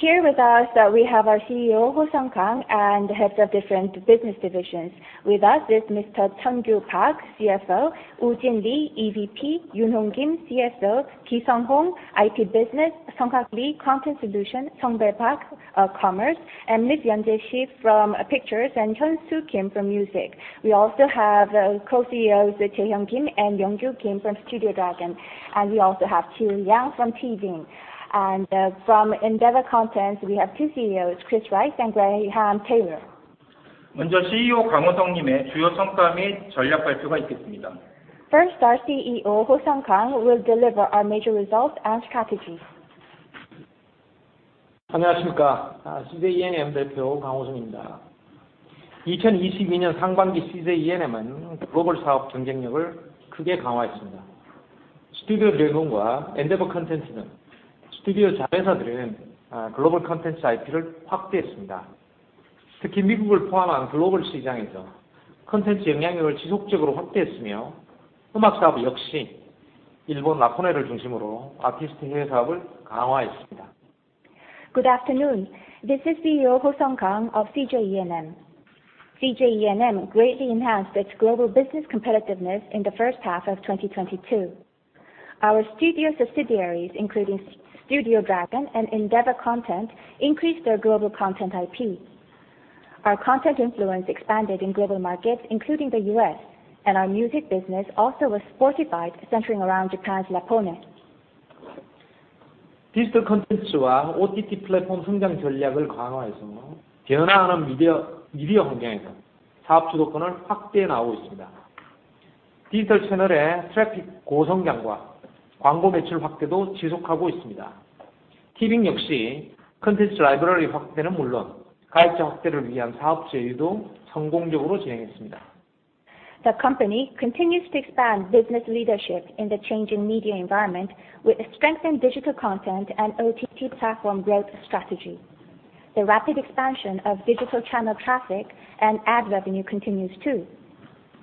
Here with us, we have our CEO, Ho-sung Kang, and Heads of different business divisions. With us is Mr. Chun Kyu Park, CFO, Woojin Lee, EVP, Yoonhong Kim, CSO, Ki-sung Hong, IT Business, Sungkak Lee, Content Solutions, Sung-bae Park, Commerce, and Ms. Si Yeon-jae from Pictures, and Hyunsoo Kim from Music. We also have Co-CEOs, Kim Jey-hyun and Kim Young-kyu from Studio Dragon. We also have Yang Ji-eul from TVING. From Endeavor Content, we have two CEOs, Chris Rice and Graham Taylor. 먼저 CEO 강호성 님의 주요 성과 및 전략 발표가 있겠습니다. First, our CEO, Ho-sung Kang, will deliver our major results and strategies. 안녕하십니까? CJ ENM 대표 강호성입니다. 2022년 상반기 CJ ENM은 글로벌 사업 경쟁력을 크게 강화했습니다. Studio Dragon과 Endeavor Content 등 Studio 자회사들은 글로벌 콘텐츠 IP를 확대했습니다. 특히 미국을 포함한 글로벌 시장에서 콘텐츠 영향력을 지속적으로 확대했으며, 음악 사업 역시 일본 라포네를 중심으로 아티스트 해외 사업을 강화했습니다. Good afternoon. This is CEO Ho-sung Kang of CJ ENM. CJ ENM greatly enhanced its global business competitiveness in the first half of 2022. Our studio subsidiaries, including Studio Dragon and Endeavor Content, increased their global content IP. Our content influence expanded in global markets, including the US, and our music business also was fortified centering around Japan's Lapone. 디지털 콘텐츠와 OTT 플랫폼 성장 전략을 강화해서 변화하는 미디어 환경에서 사업 주도권을 확대해 나가고 있습니다. 디지털 채널의 트래픽 고성장과 광고 매출 확대도 지속하고 있습니다. TVING 역시 콘텐츠 라이브러리 확대는 물론 가입자 확대를 위한 사업 제휴도 성공적으로 진행했습니다. The company continues to expand business leadership in the changing media environment with a strengthened digital content and OTT platform growth strategy. The rapid expansion of digital channel traffic and ad revenue continues too.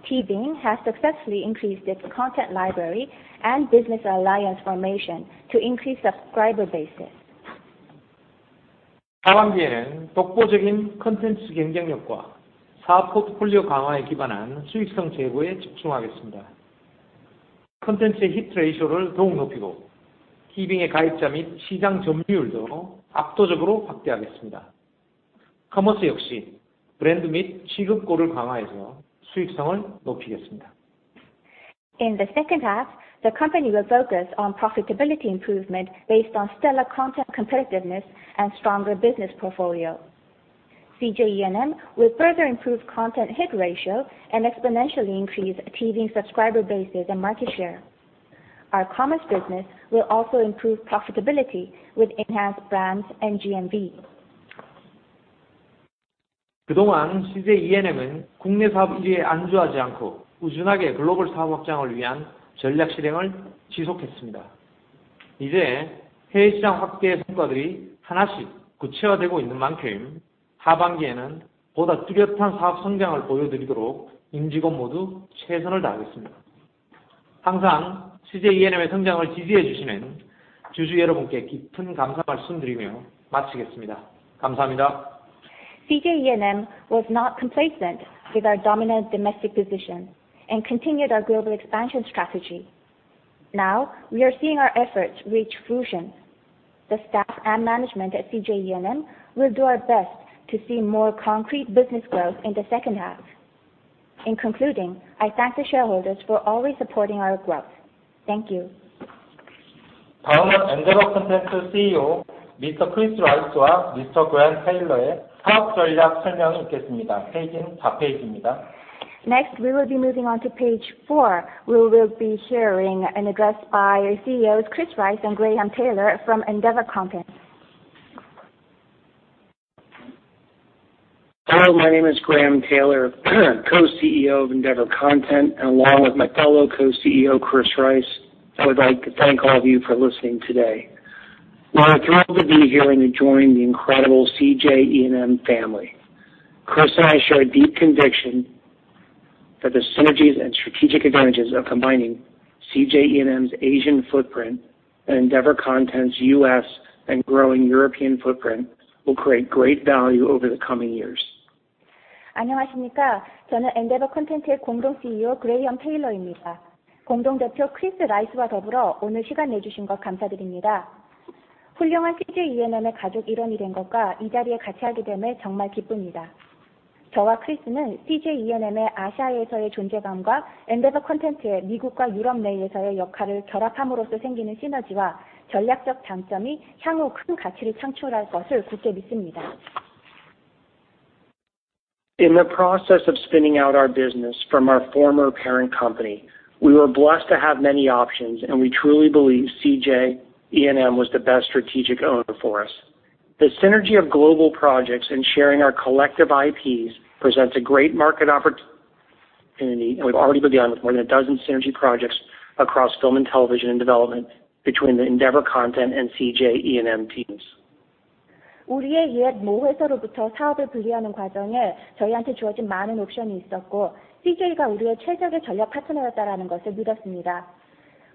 TVING has successfully increased its content library and business alliance formation to increase subscriber bases. 하반기에는 독보적인 콘텐츠 경쟁력과 사업 포트폴리오 강화에 기반한 수익성 제고에 집중하겠습니다. 콘텐츠의 hit ratio를 더욱 높이고, TVING의 가입자 및 시장 점유율도 압도적으로 확대하겠습니다. Commerce 역시 브랜드 및 GMV를 강화해서 수익성을 높이겠습니다. In the second half, the company will focus on profitability improvement based on stellar content competitiveness and stronger business portfolio. CJ ENM will further improve content hit ratio and exponentially increase TVING subscriber bases and market share. Our commerce business will also improve profitability with enhanced brands and GMV. 그동안 CJ ENM은 국내 사업 우위에 안주하지 않고 꾸준하게 글로벌 사업 확장을 위한 전략 실행을 지속했습니다. 이제 해외 시장 확대의 성과들이 하나씩 구체화되고 있는 만큼 하반기에는 보다 뚜렷한 사업 성장을 보여드리도록 임직원 모두 최선을 다하겠습니다. 항상 CJ ENM의 성장을 지지해 주시는 주주 여러분께 깊은 감사 말씀드리며 마치겠습니다. 감사합니다. CJ ENM was not complacent with our dominant domestic position and continued our global expansion strategy. Now, we are seeing our efforts reach fruition. The staff and management at CJ ENM will do our best to see more concrete business growth in the second half. In concluding, I thank the shareholders for always supporting our growth. Thank you. 다음은 Endeavor Content CEO Mr. Chris Rice와 Mr. Graham Taylor의 사업 전략 설명이 있겠습니다. 페이지는 4 페이지입니다. Next, we will be moving on to page four. We will be hearing an address by our CEOs, Chris Rice and Graham Taylor, from Endeavor Content. Hello, my name is Graham Taylor, Co-CEO of Endeavor Content, and along with my fellow Co-CEO, Chris Rice, I would like to thank all of you for listening today. We're thrilled to be here and to join the incredible CJ ENM family. Chris and I share a deep conviction that the synergies and strategic advantages of combining CJ ENM's Asian footprint and Endeavor Content's US and growing European footprint will create great value over the coming years. 안녕하십니까? 저는 Endeavor Content의 공동 CEO Graham Taylor입니다. 공동 대표 Chris Rice와 더불어 오늘 시간 내주신 것 감사드립니다. 훌륭한 CJ ENM의 가족 일원이 된 것과 이 자리에 같이 하게 됨에 정말 기쁩니다. 저와 Chris는 CJ ENM의 아시아에서의 존재감과 Endeavor Content의 미국과 유럽 내에서의 역할을 결합함으로써 생기는 시너지와 전략적 장점이 향후 큰 가치를 창출할 것을 굳게 믿습니다. In the process of spinning out our business from our former parent company, we were blessed to have many options, and we truly believe CJ ENM was the best strategic owner for us. The synergy of global projects and sharing our collective IPs presents a great market opportunity, and we've already begun with more than a dozen synergy projects across film and television and development between the Endeavor Content and CJ ENM teams. 우리의 옛 모회사로부터 사업을 분리하는 과정에 저희한테 주어진 많은 옵션이 있었고, CJ가 우리의 최적의 전략 파트너였다는 것을 믿었습니다.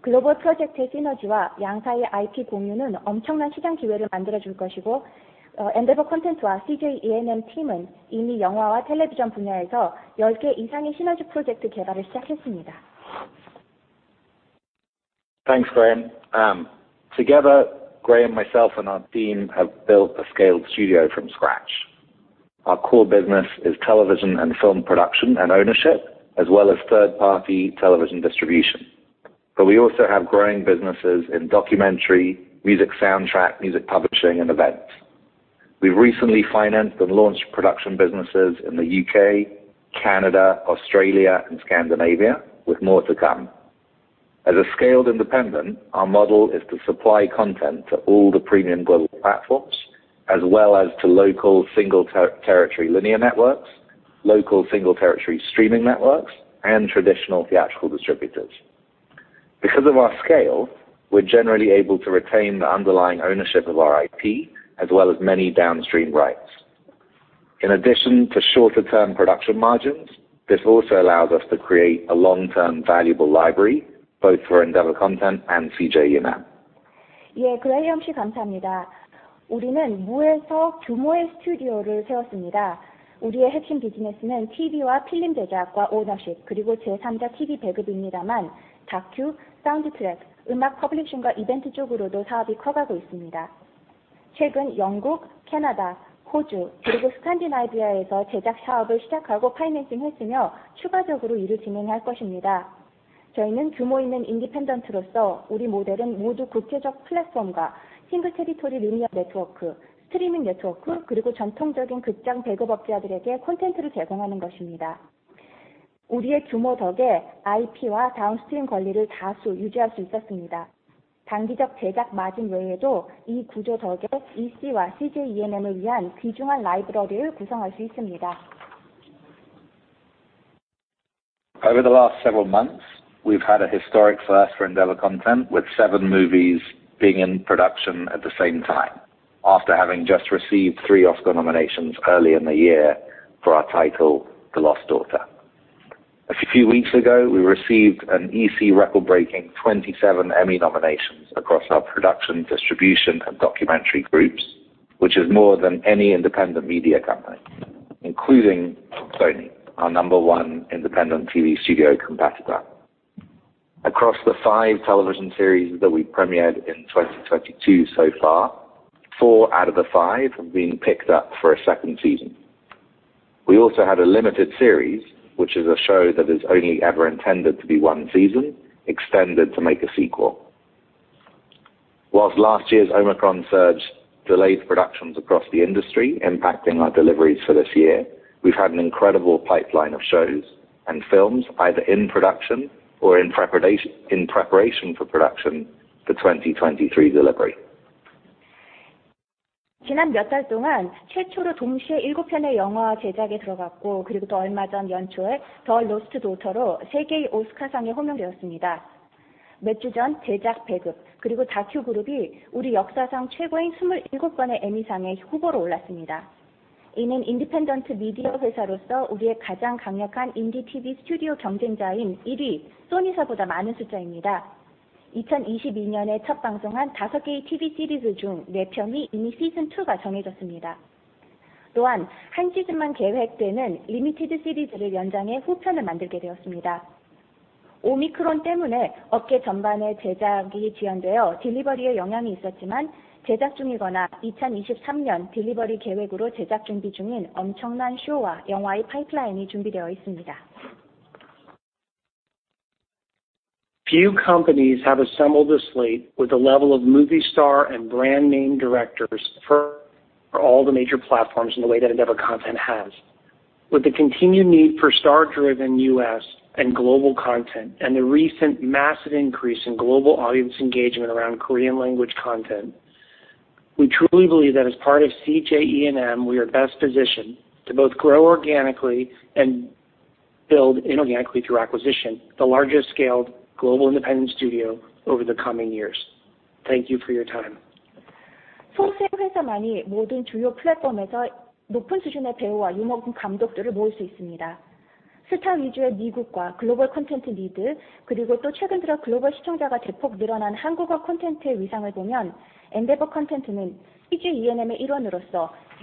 Global Project의 시너지와 양사의 IP 공유는 엄청난 시장 기회를 만들어 줄 것이고, Endeavor Content와 CJ ENM 팀은 이미 영화와 텔레비전 분야에서 열개 이상의 시너지 프로젝트 개발을 시작했습니다. Thanks, Graham. Together, Graham, myself, and our team have built a scaled studio from scratch. Our core business is television and film production and ownership, as well as third-party television distribution. We also have growing businesses in documentary, music soundtrack, music publishing, and events. We recently financed and launched production businesses in the UK, Canada, Australia and Scandinavia, with more to come. As a scaled independent, our model is to supply content to all the premium global platforms as well as to local single-territory linear networks, local single territory streaming networks, and traditional theatrical distributors. Because of our scale, we're generally able to retain the underlying ownership of our IP as well as many downstream rights. In addition to shorter term production margins, this also allows us to create a long-term valuable library, both for Endeavor Content and CJ ENM. 예, Graham 씨 감사합니다. 우리는 무에서 규모의 스튜디오를 세웠습니다. 우리의 핵심 비즈니스는 TV와 필름 제작과 오너십, 그리고 제삼자 TV 배급입니다만, 다큐, 사운드트랙, 음악 퍼블리싱과 이벤트 쪽으로도 사업이 커가고 있습니다. 최근 영국, 캐나다, 호주 그리고 스칸디나비아에서 제작 사업을 시작하고 파이낸싱 했으며 추가적으로 일을 진행할 것입니다. 저희는 규모 있는 인디펜던스로서 우리 모델은 모두 국제적 플랫폼과 싱글 테리토리 리니어 네트워크, 스트리밍 네트워크, 그리고 전통적인 극장 배급업자들에게 콘텐츠를 제공하는 것입니다. 우리의 규모 덕에 IP와 다운스트림 권리를 다수 유지할 수 있었습니다. 단기적 제작 마진 외에도 이 구조 덕에 Endeavor Content와 CJ ENM을 위한 귀중한 라이브러리를 구성할 수 있습니다. Over the last several months, we've had a historic first for Endeavor Content, with seven movies being in production at the same time after having just received three Oscar nominations early in the year for our title, The Lost Daughter. A few weeks ago, we received an EC record-breaking 27 Emmy nominations across our production, distribution and documentary groups, which is more than any independent media company, including Sony, our number one independent TV studio competitor. Across the five-television series that we premiered in 2022 so far, four out of the five have been picked up for a second season. We also had a limited series, which is a show that is only ever intended to be one season, extended to make a sequel. While last year's Omicron surge delayed productions across the industry, impacting our deliveries for this year, we've had an incredible pipeline of shows and films, either in production or in preparation for production for 2023 delivery. 지난 몇달 동안 최초로 동시에 일곱 편의 영화 제작에 들어갔고, 또 얼마 전 연초에 The Lost Daughter로 세 개의 오스카상에 호명되었습니다. 몇주전 제작 배급 그리고 다큐 그룹이 우리 역사상 최고인 스물일곱 건의 에미상의 후보로 올랐습니다. 이는 인디펜던트 미디어 회사로서 우리의 가장 강력한 인디 TV 스튜디오 경쟁자인 일위 Sony사보다 많은 숫자입니다. 2022년에 첫 방송한 다섯 개의 TV 시리즈 중네 편이 이미 시즌 2가 정해졌습니다. 또한 한 시즌만 계획되는 리미티드 시리즈를 연장해 후편을 만들게 되었습니다. Omicron 때문에 업계 전반의 제작이 지연되어 딜리버리에 영향이 있었지만, 제작 중이거나 2023년 딜리버리 계획으로 제작 준비 중인 엄청난 쇼와 영화의 파이프라인이 준비되어 있습니다. Few companies have assembled a slate with the level of movie star and brand name directors for all the major platforms in the way that Endeavor Content has. With the continued need for star-driven US and global content, and the recent massive increase in global audience engagement around Korean language content, we truly believe that as part of CJ ENM, we are best positioned to both grow organically and build inorganically through acquisition, the largest scaled global independent studio over the coming years. Thank you for your time.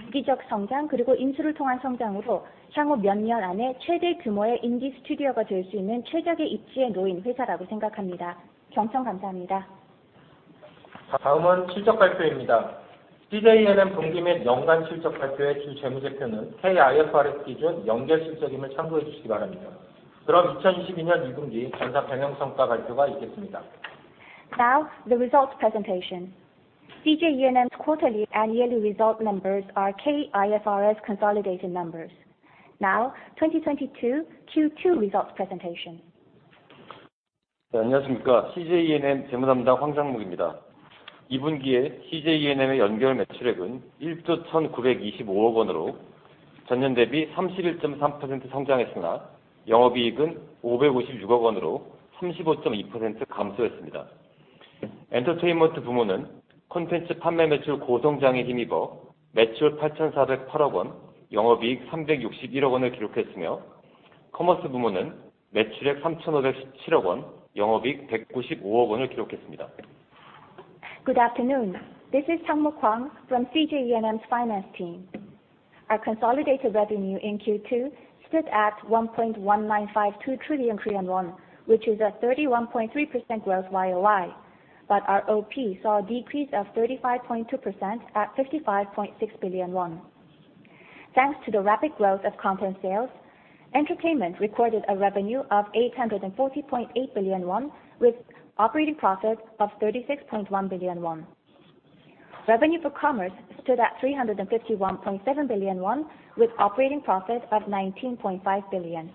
소수의 회사만이 모든 주요 플랫폼에서 높은 수준의 배우와 유명한 감독들을 모을 수 있습니다. 스타 위주의 미국과 글로벌 콘텐츠 니드, 그리고 또 최근 들어 글로벌 시청자가 대폭 늘어난 한국어 콘텐츠의 위상을 보면, Endeavor Content는 CJ ENM의 일원으로서 유기적 성장 그리고 인수를 통한 성장으로 향후 몇년 안에 최대 규모의 인디 스튜디오가 될수 있는 최적의 입지에 놓인 회사라고 생각합니다. 경청 감사합니다. 다음은 실적 발표입니다. CJ ENM 분기 및 연간 실적 발표의 주 재무제표는 K-IFRS 기준 연결 실적임을 참고해 주시기 바랍니다. 그럼 2022년 2분기 경영 성과 발표가 있겠습니다. Now, the results presentation. CJ ENM's quarterly and yearly result numbers are K-IFRS consolidated numbers. Now, 2022 second quarter results presentation. 네, 안녕하십니까? CJ ENM 재무담당 황장묵입니다. 2분기에 CJ ENM의 연결 매출액은 1조 1,925억 원으로 전년 대비 31.3% 성장했으나, 영업이익은 556억 원으로 35.2% 감소했습니다. Entertainment 부문은 콘텐츠 판매 매출 고성장에 힘입어 매출 8,408억 원, 영업이익 361억 원을 기록했으며, Commerce 부문은 매출액 3,517억 원, 영업이익 195억 원을 기록했습니다. Good afternoon. This is Changmuk Hwang from CJ ENM's Finance team. Our consolidated revenue in second quarter stood at 1.1952 trillion Korean won, which is a 31.3% growth year-over-year, but our OP saw a decrease of 35.2% at 55.6 billion won. Thanks to the rapid growth of content sales, Entertainment recorded a revenue of 840.8 billion won with operating profit of 36.1 billion won. Revenue for Commerce stood at 351.7 billion won with operating profit of 19.5 billion. 하반기에는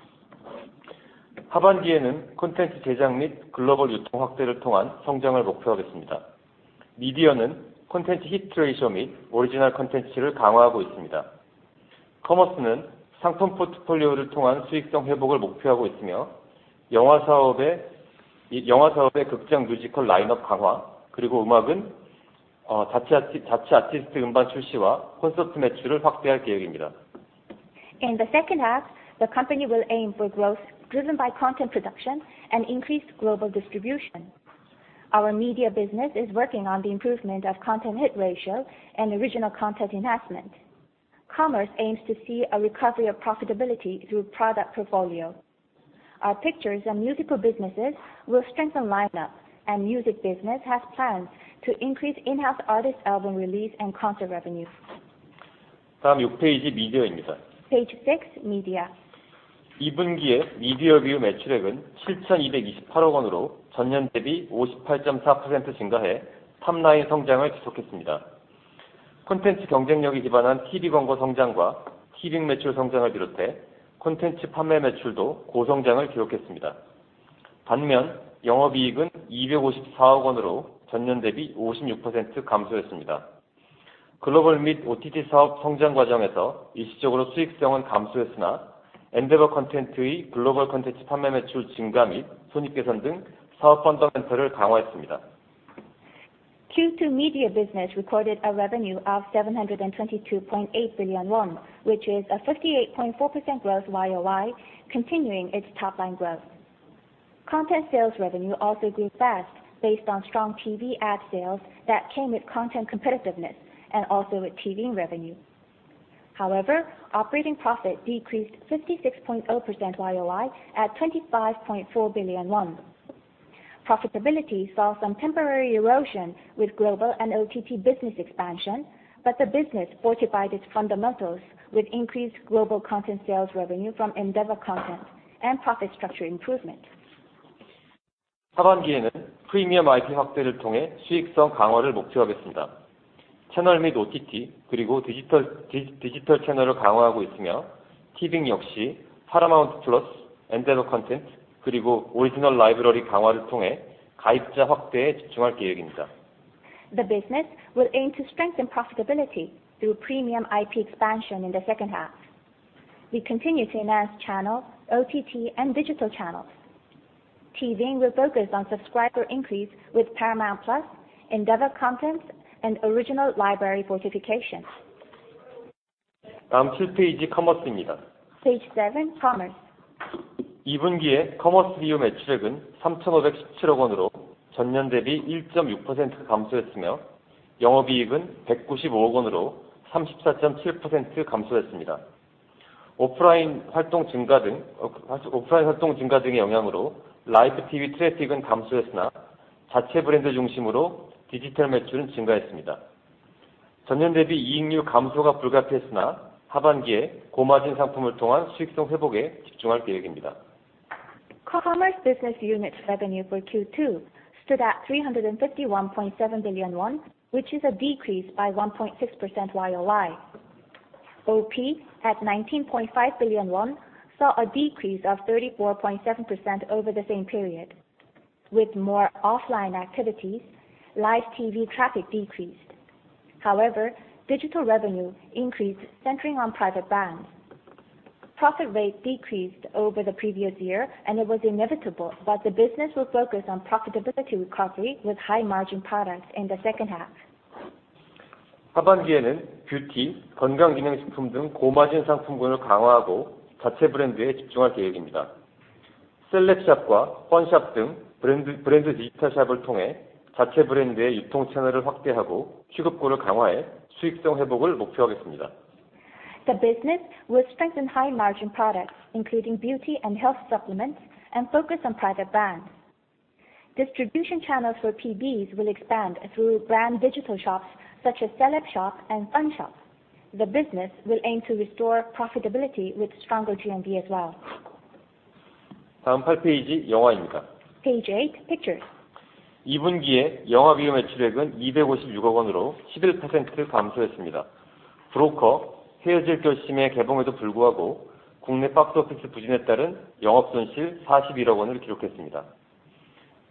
콘텐츠 제작 및 글로벌 유통 확대를 통한 성장을 목표하겠습니다. 미디어는 콘텐츠 hit ratio 및 original content를 강화하고 있습니다. 커머스는 상품 포트폴리오를 통한 수익성 회복을 목표하고 있으며, 영화 사업의 극장 뮤지컬 라인업 강화 그리고 음악은 자체 아티스트 음반 출시와 콘서트 매출을 확대할 계획입니다. In the second half, the company will aim for growth driven by content production and increased global distribution. Our Media business is working on the improvement of content hit ratio and original content enhancement. Commerce aims to see a recovery of profitability through product portfolio. Our Pictures and Musical businesses will strengthen lineup, and Music business has plans to increase in-house artist album release and concert revenue. 다음 육 페이지, Media입니다. Page six, Media. 이 분기에 Media BU 매출액은 7,228억 원으로 전년 대비 58.4% 증가해 탑라인 성장을 지속했습니다. 콘텐츠 경쟁력에 기반한 TV 광고 성장과 TVING 매출 성장을 비롯해 콘텐츠 판매 매출도 고성장을 기록했습니다. 반면, 영업이익은 254억 원으로 전년 대비 56% 감소했습니다. 글로벌 및 OTT 사업 성장 과정에서 일시적으로 수익성은 감소했으나 Endeavor Content의 글로벌 콘텐츠 판매 매출 증가 및 손익 개선 등 사업 펀더멘털을 강화했습니다. Second quarter Media business recorded a revenue of 722.8 billion won, which is a 58.4% growth year-over-year, continuing its top line growth. Content sales revenue also grew fast based on strong TV ad sales that came with content competitiveness and also with TVING revenue. However, operating profit decreased 56.0% year-over-year at 25.4 billion won. Profitability saw some temporary erosion with global and OTT business expansion, but the business fortified its fundamentals with increased global content sales revenue from Endeavor Content and profit structure improvement. 하반기에는 프리미엄 IP 확대를 통해 수익성 강화를 목표하겠습니다. 채널 및 OTT 그리고 디지털 채널을 강화하고 있으며, TVING 역시 Paramount+, Endeavor Content 그리고 Original Library 강화를 통해 가입자 확대에 집중할 계획입니다. The business will aim to strengthen profitability through premium IP expansion in the second half. We continue to enhance channel, OTT, and digital channels. TVING will focus on subscriber increase with Paramount+, Endeavor Content, and original library fortification. 다음 칠 페이지, Commerce입니다. Page seven, Commerce. 이 분기에 Commerce BU 매출액은 3,517억 원으로 전년 대비 1.6% 감소했으며, 영업이익은 195억 원으로 34.7% 감소했습니다. 오프라인 활동 증가 등의 영향으로 Live TV 트래픽은 감소했으나 자체 브랜드 중심으로 디지털 매출은 증가했습니다. 전년 대비 이익률 감소가 불가피했으나 하반기에 고마진 상품을 통한 수익성 회복에 집중할 계획입니다. Commerce business unit revenue for second quarter stood at 351.7 billion won, which is a decrease by 1.6% year-over-year. OP at 19.5 billion won saw a decrease of 34.7% over the same period. With more offline activities, Live TV traffic decreased. However, digital revenue increased centering on private brands. Profit rate decreased over the previous year, and it was inevitable that the business will focus on profitability recovery with high margin products in the second half. 하반기에는 뷰티, 건강기능식품 등 고마진 상품군을 강화하고 자체 브랜드에 집중할 계획입니다. CELEBSHOP과 펀샵 등 브랜드 디지털 샵을 통해 자체 브랜드의 유통 채널을 확대하고, 취급군을 강화해 수익성 회복을 목표하겠습니다. The business will strengthen high margin products including beauty and health supplements and focus on private brands. Distribution channels for PBs will expand through brand digital shops such as CELEBSHOP and Fun Shop. The business will aim to restore profitability with stronger GMV as well. 다음 팔 페이지, 영화입니다. Page eight, Pictures. 이 분기에 영화 BU 매출액은 256억 원으로 11% 감소했습니다. 브로커, 헤어질 결심의 개봉에도 불구하고 국내 박스오피스 부진에 따른 영업손실 41억 원을 기록했습니다.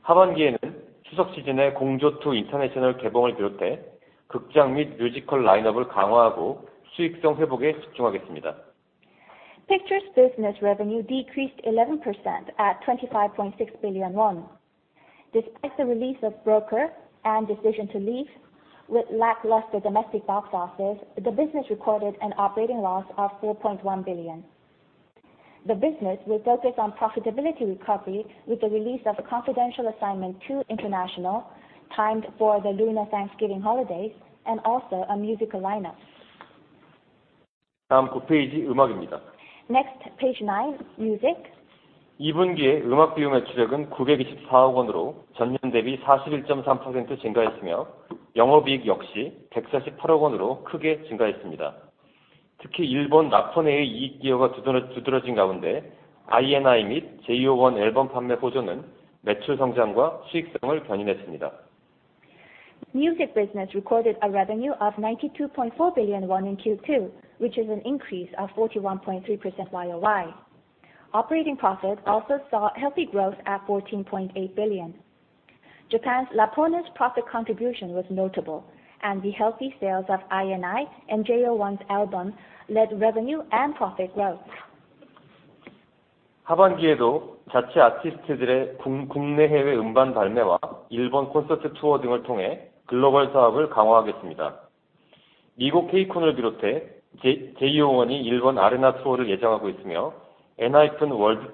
하반기에는 추석 시즌에 공조2: 인터내셔널 개봉을 비롯해 극장 및 뮤지컬 라인업을 강화하고 수익성 회복에 집중하겠습니다. Pictures business revenue decreased 11% to 25.6 billion won. Despite the release of Broker and Decision to Leave, with lackluster domestic box office, the business recorded an operating loss of 4.1 billion. The business will focus on profitability recovery with the release of Confidential Assignment 2: International, timed for the Lunar Thanksgiving holidays, and also a musical lineup. Next, page nine, Music. Music business recorded a revenue of KRW 92.4 billion in second quarter, which is an increase of 41.3% year-over-year. Operating profit also saw healthy growth at 14.8 billion. Japan's Lapone's profit contribution was notable, and the healthy sales of INI and JO1's album led revenue and profit growth. In-house artists' overseas album releases and concert tour in Japan will further enhance our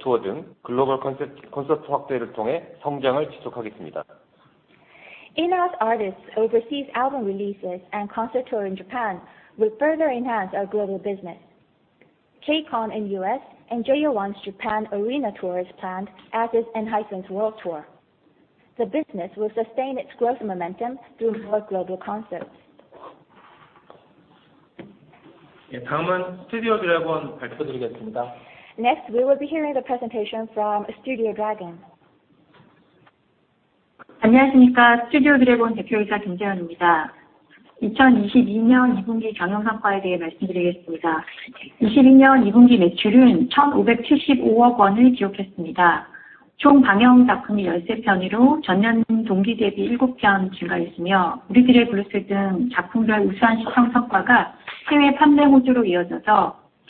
global business. KCON in US and JO1's Japan arena tour is planned as is ENHYPEN's world tour. The business will sustain its growth momentum through more global concerts. Next, we will be hearing the presentation from Studio Dragon.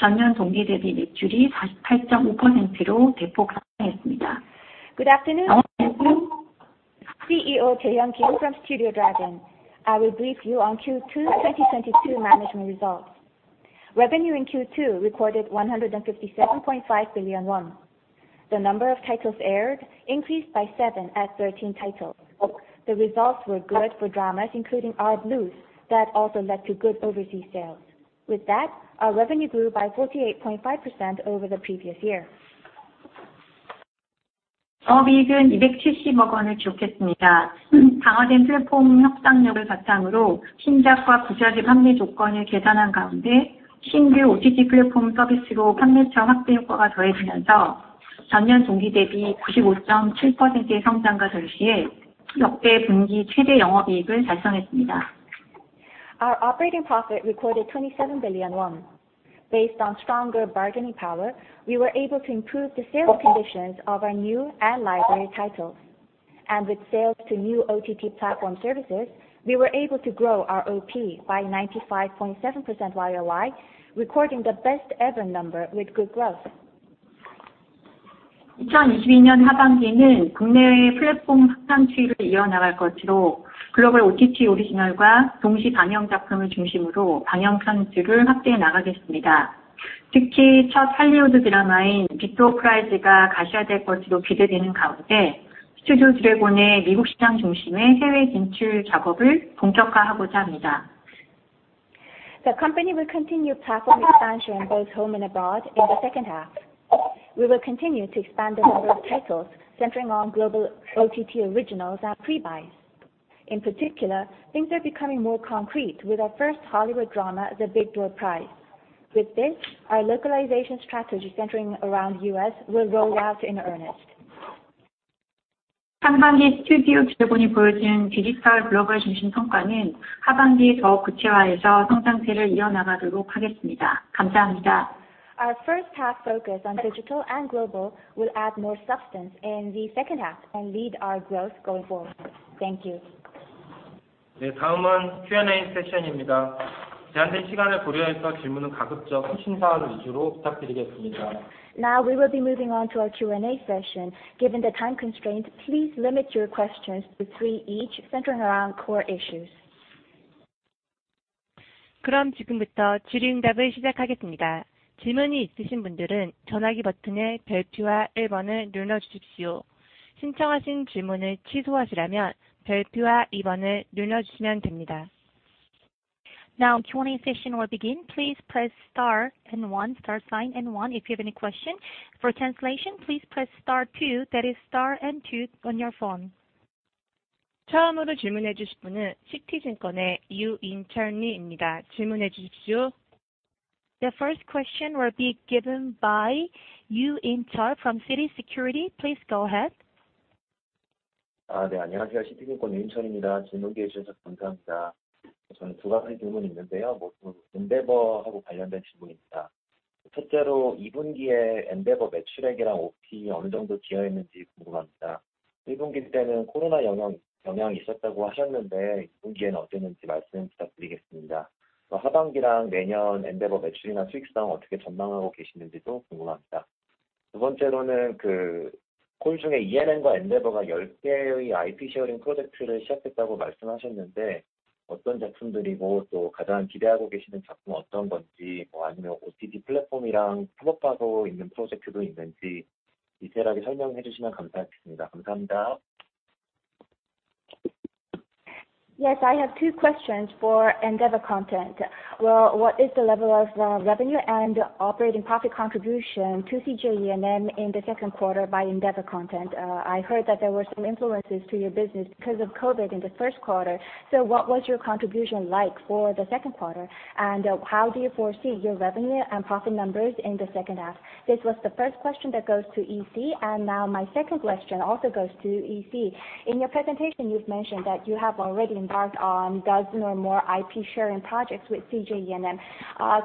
Good afternoon, CEO Kim Jey-hyun from Studio Dragon. I will brief you on second quarter 2022 management results. Revenue in second quarter recorded 157.5 billion won. The number of titles aired increased by seven to 13 titles. The results were good for dramas, including Our Blues, that also led to good overseas sales. With that, our revenue grew by 48.5% year-over-year. Our operating profit recorded 27 billion won. Based on stronger bargaining power, we were able to improve the sales conditions of our new and library titles. With sales to new OTT platform services, we were able to grow our OP by 95.7% year-over-year, recording the best ever number with good growth. The company will continue platform expansion both home and abroad in the second half. We will continue to expand the number of titles centering on global OTT originals and pre-buys. In particular, things are becoming more concrete with our first Hollywood drama, The Big Door Prize. With this, our localization strategy centering around US will roll out in earnest. Our first half focus on digital and global will add more substance in the second half and lead our growth going forward. Thank you. Now, we will be moving on to our Q&A session. Given the time constraints, please limit your questions to three each, centering around core issues. Now, Q&A session will begin. Please press star and one, star sign and one, if you have any question. For translation, please press star two, that is star and two, on your phone. The first question will be given by Yoo In-cheol from Citi Securities. Please go ahead. 안녕하세요, 씨티증권의 유인철입니다. 질문 기회 주셔서 감사합니다. 저는 두 가지 질문이 있는데요, 모두 Endeavor하고 관련된 질문입니다. 첫째로, 이 분기에 Endeavor 매출액이랑 OP 어느 정도 기여했는지 궁금합니다. Yes, I have two questions for Endeavor Content. Well, what is the level of revenue and operating profit contribution to CJ ENM in the second quarter by Endeavor Content? I heard that there were some influences to your business because of COVID in the first quarter. So, what was your contribution like for the second quarter? And how do you foresee your revenue and profit numbers in the second half? This was the first question that goes to EC. Now my second question also goes to EC. In your presentation, you've mentioned that you have already embarked on dozen or more IP sharing projects with CJ ENM.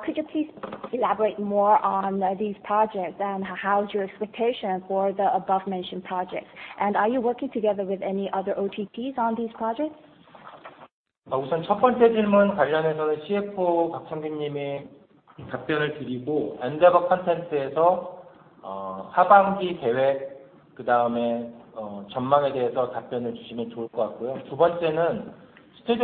Could you please elaborate more on these projects and how is your expectation for the above-mentioned projects? And are you working together with any other OTTs on these projects? So I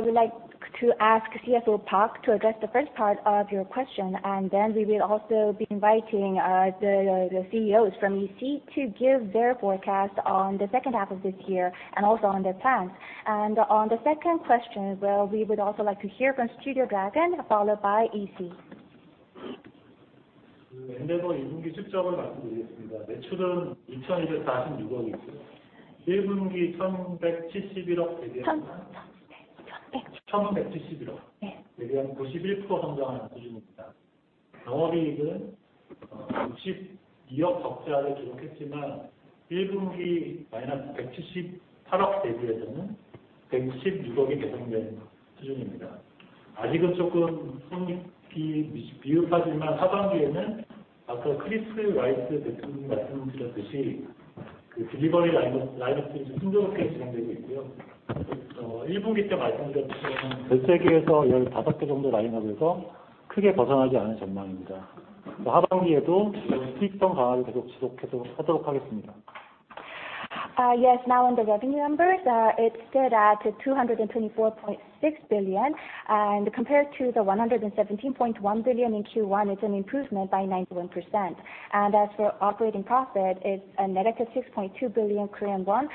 would like to ask CFO Park to address the first part of your question, and then we will also be inviting the CEOs from EC to give their forecast on the second half of this year and also on their plans. On the second question, well, we would also like to hear from Studio Dragon, followed by EC. Yes. Now on the revenue numbers, it stood at 224.6 billion. Compared to the 117.1 billion in first quarter, it's an improvement by 91%. As for operating profit, it's a negative 6.2 billion Korean won.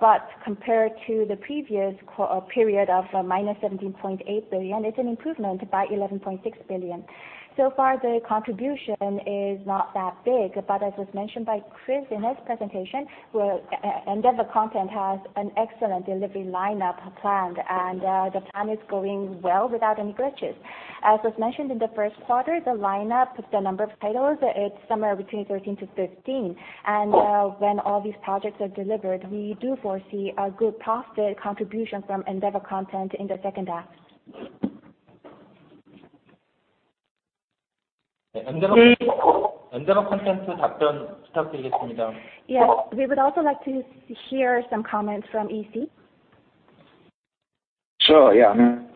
But compared to the previous period of minus 17.8 billion, it's an improvement by 11.6 billion. So far, the contribution is not that big, but as was mentioned by Chris in his presentation, well, Endeavor Content has an excellent delivery lineup planned, and the plan is going well without any glitches. As was mentioned in the first quarter, the lineup, the number of titles, it's somewhere between 13 to 15. When all these projects are delivered, we do foresee a good profit contribution from Endeavor Content in the second half. Yes. We would also like to hear some comments from EC. Sure. Yeah. I mean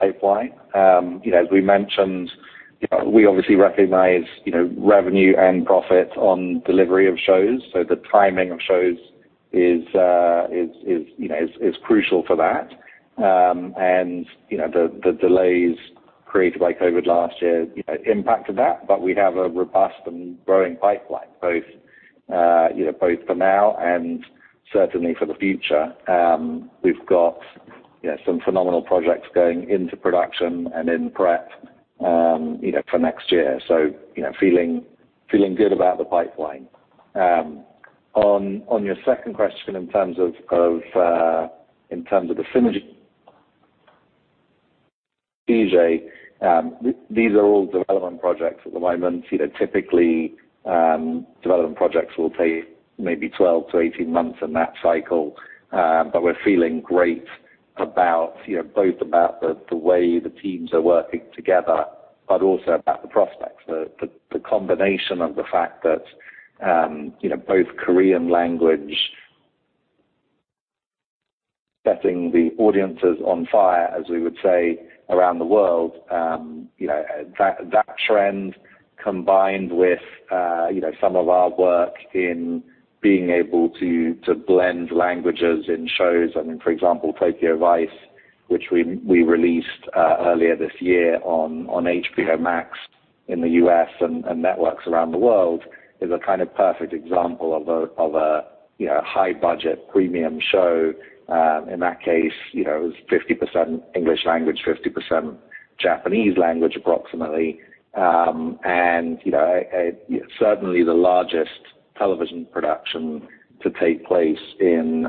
pipeline. You know, as we mentioned, you know, we obviously recognize, you know, revenue and profit on delivery of shows. The timing of shows is crucial for that. The delays created by COVID last year, you know, impacted that, but we have a robust and growing pipeline, both for now and certainly for the future. We've got, you know, some phenomenal projects going into production and in prep for next year. So, you know, feeling good about the pipeline. On your second question in terms of the synergy CJ, these are all development projects at the moment. You know, typically, development projects will take maybe 12 to 18 months in that cycle. We're feeling great about, you know, both about the way the teams are working together, but also about the prospects. The combination of the fact that, you know, both Korean language setting the audiences on fire, as we would say, around the world, you know, that trend combined with, you know, some of our work in being able to blend languages in shows, I mean, for example, Tokyo Vice, which we released earlier this year on HBO Max in the US and networks around the world, is a kind of perfect example of a high budget premium show. In that case, you know, it was 50% English language, 50% Japanese language, approximately. You know, certainly the largest television production to take place in,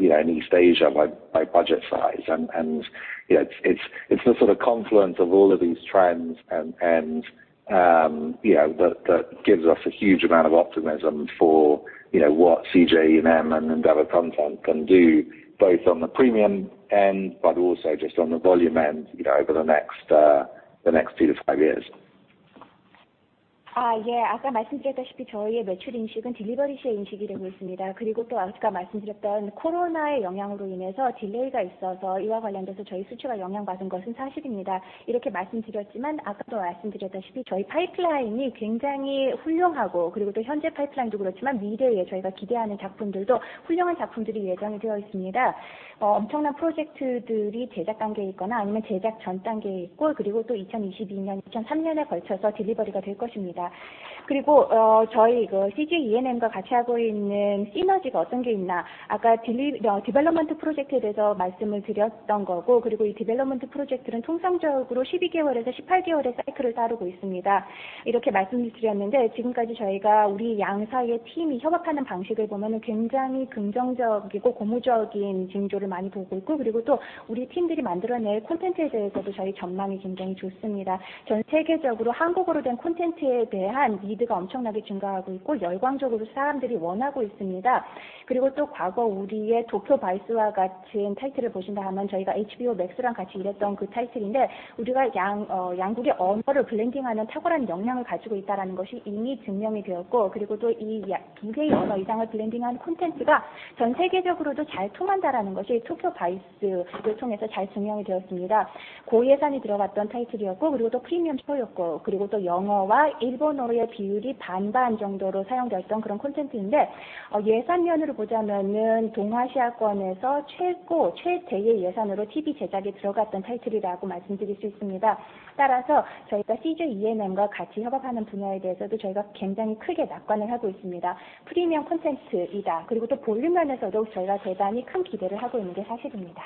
you know, in East Asia by budget size. You know, it's the sort of confluence of all of these trends and, you know, that gives us a huge amount of optimism for, you know, what CJ ENM and Endeavor Content can do, both on the premium end, but also just on the volume end, you know, over the next two to five years. 아까 말씀드렸다시피 저희의 매출 인식은 딜리버리 시에 인식이 되고 있습니다. 아까 말씀드렸던 코로나의 영향으로 인해서 딜레이가 있어서 이와 관련돼서 저희 수치가 영향받은 것은 사실입니다. 이렇게 말씀드렸지만 아까도 말씀드렸다시피 저희 파이프라인이 굉장히 훌륭하고, 현재 파이프라인도 그렇지만 미래에 저희가 기대하는 작품들도 훌륭한 작품들이 예정이 되어 있습니다. 엄청난 프로젝트들이 제작 단계에 있거나 아니면 제작 전 단계에 있고, 2022년, 2023년에 걸쳐서 딜리버리가 될 것입니다. 저희 CJ ENM과 같이 하고 있는 시너지가 어떤 게 있나. 아까 디벨롭먼트 프로젝트에 대해서 말씀을 드렸던 거고, 이 디벨롭먼트 프로젝트는 통상적으로 12개월에서 18개월의 사이클을 따르고 있습니다. 이렇게 말씀드렸는데 지금까지 저희가 우리 양사의 팀이 협업하는 방식을 보면은 굉장히 긍정적이고 고무적인 징조를 많이 보고 있고, 우리 팀들이 만들어낼 콘텐츠에 대해서도 저희 전망이 굉장히 좋습니다. 전 세계적으로 한국어로 된 콘텐츠에 대한 니드가 엄청나게 증가하고 있고, 열광적으로 사람들이 원하고 있습니다. 그리고 또 과거 우리의 도쿄 바이스와 같은 타이틀을 보신다 하면 저희가 HBO 맥스랑 같이 일했던 그 타이틀인데, 우리가 양국의 언어를 블렌딩하는 탁월한 역량을 가지고 있다라는 것이 이미 증명이 되었고, 그리고 또이두 개의 언어 이상을 블렌딩한 콘텐츠가 전 세계적으로도 잘 통한다라는 것이 도쿄 바이스를 통해서 잘 증명이 되었습니다. 고예산이 들어갔던 타이틀이었고, 그리고 또 프리미엄 쇼였고, 그리고 또 영어와 일본어의 비율이 반반 정도로 사용되었던 그런 콘텐츠인데, 예산 면으로 보자면은 동아시아권에서 최고, 최대의 예산으로 TV 제작에 들어갔던 타이틀이라고 말씀드릴 수 있습니다. 따라서 저희가 CJ ENM과 같이 협업하는 분야에 대해서도 저희가 굉장히 크게 낙관을 하고 있습니다. 프리미엄 콘텐츠이다. 그리고 또 볼륨 면에서도 저희가 대단히 큰 기대를 하고 있는 게 사실입니다.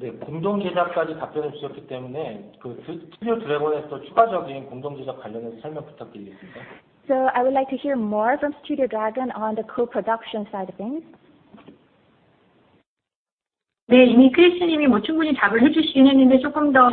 네, 공동 제작까지 답변을 주셨기 때문에 Studio Dragon에서 추가적인 공동 제작 관련해서 설명 부탁드리겠습니다. I would like to hear more from Studio Dragon on the co-production side of things. 네, 이미 Chris님이 충분히 답을 해주시긴 했는데 조금 더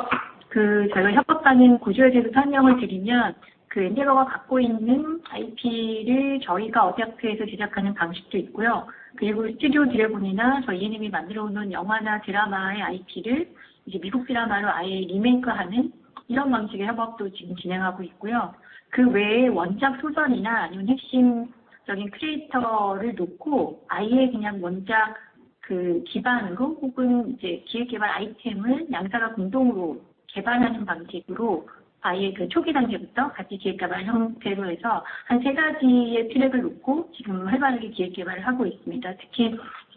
저희가 협업하는 구조에 대해서 설명을 드리면, Endeavor가 갖고 있는 IP를 저희가 어댑트해서 제작하는 방식도 있고요. 그리고 Studio Dragon이나 저희 ENM이 만들어 놓은 영화나 드라마의 IP를 이제 미국 드라마로 아예 리메이크하는 이런 방식의 협업도 지금 진행하고 있고요. 그 외에 원작 소설이나 아니면 핵심적인 크리에이터를 놓고 아예 그냥 원작 그 기반으로 혹은 이제 기획 개발 아이템을 양사가 공동으로 개발하는 방식으로 아예 그 초기 단계부터 같이 기획 개발 형태로 해서 한세 가지의 트랙을 놓고 지금 활발하게 기획 개발을 하고 있습니다.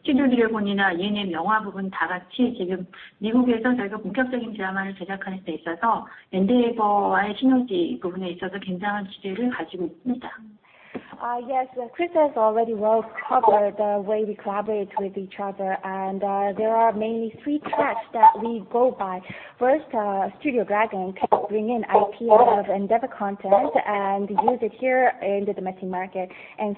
특히 Studio Dragon이나 ENM 영화 부분 다 같이 지금 미국에서 저희가 본격적인 드라마를 제작하는 데 있어서 Endeavor와의 시너지 부분에 있어서 굉장한 기대를 가지고 있습니다. Yes. Chris has already well covered the way we collaborate with each other, and there are mainly three tracks that we go by. First, Studio Dragon can bring in IP of Endeavor Content and use it here in the domestic market.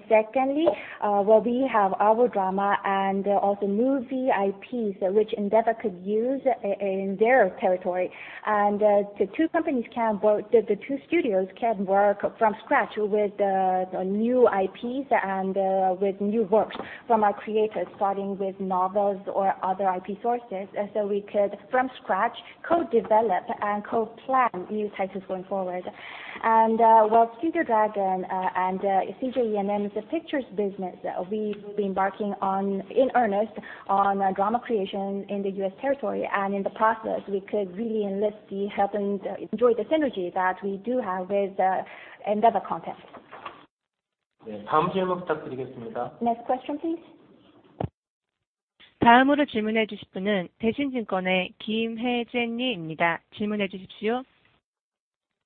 Secondly, well, we have our drama and also movie IPs, which Endeavor could use in their territory. The two companies can both. The two studios can work from scratch with new IPs and with new works from our creators, starting with novels or other IP sources. We could from scratch co-develop and co-plan new titles going forward. Well, Studio Dragon and CJ ENM's pictures business, we've been embarking in earnest on drama creation in the US territory. In the process, we could really enlist the help and enjoy the synergy that we do have with Endeavor Content. 네, 다음 질문 부탁드리겠습니다. Next question, please. 다음으로 질문해 주실 분은 대신증권의 김혜재님입니다. 질문해 주십시오.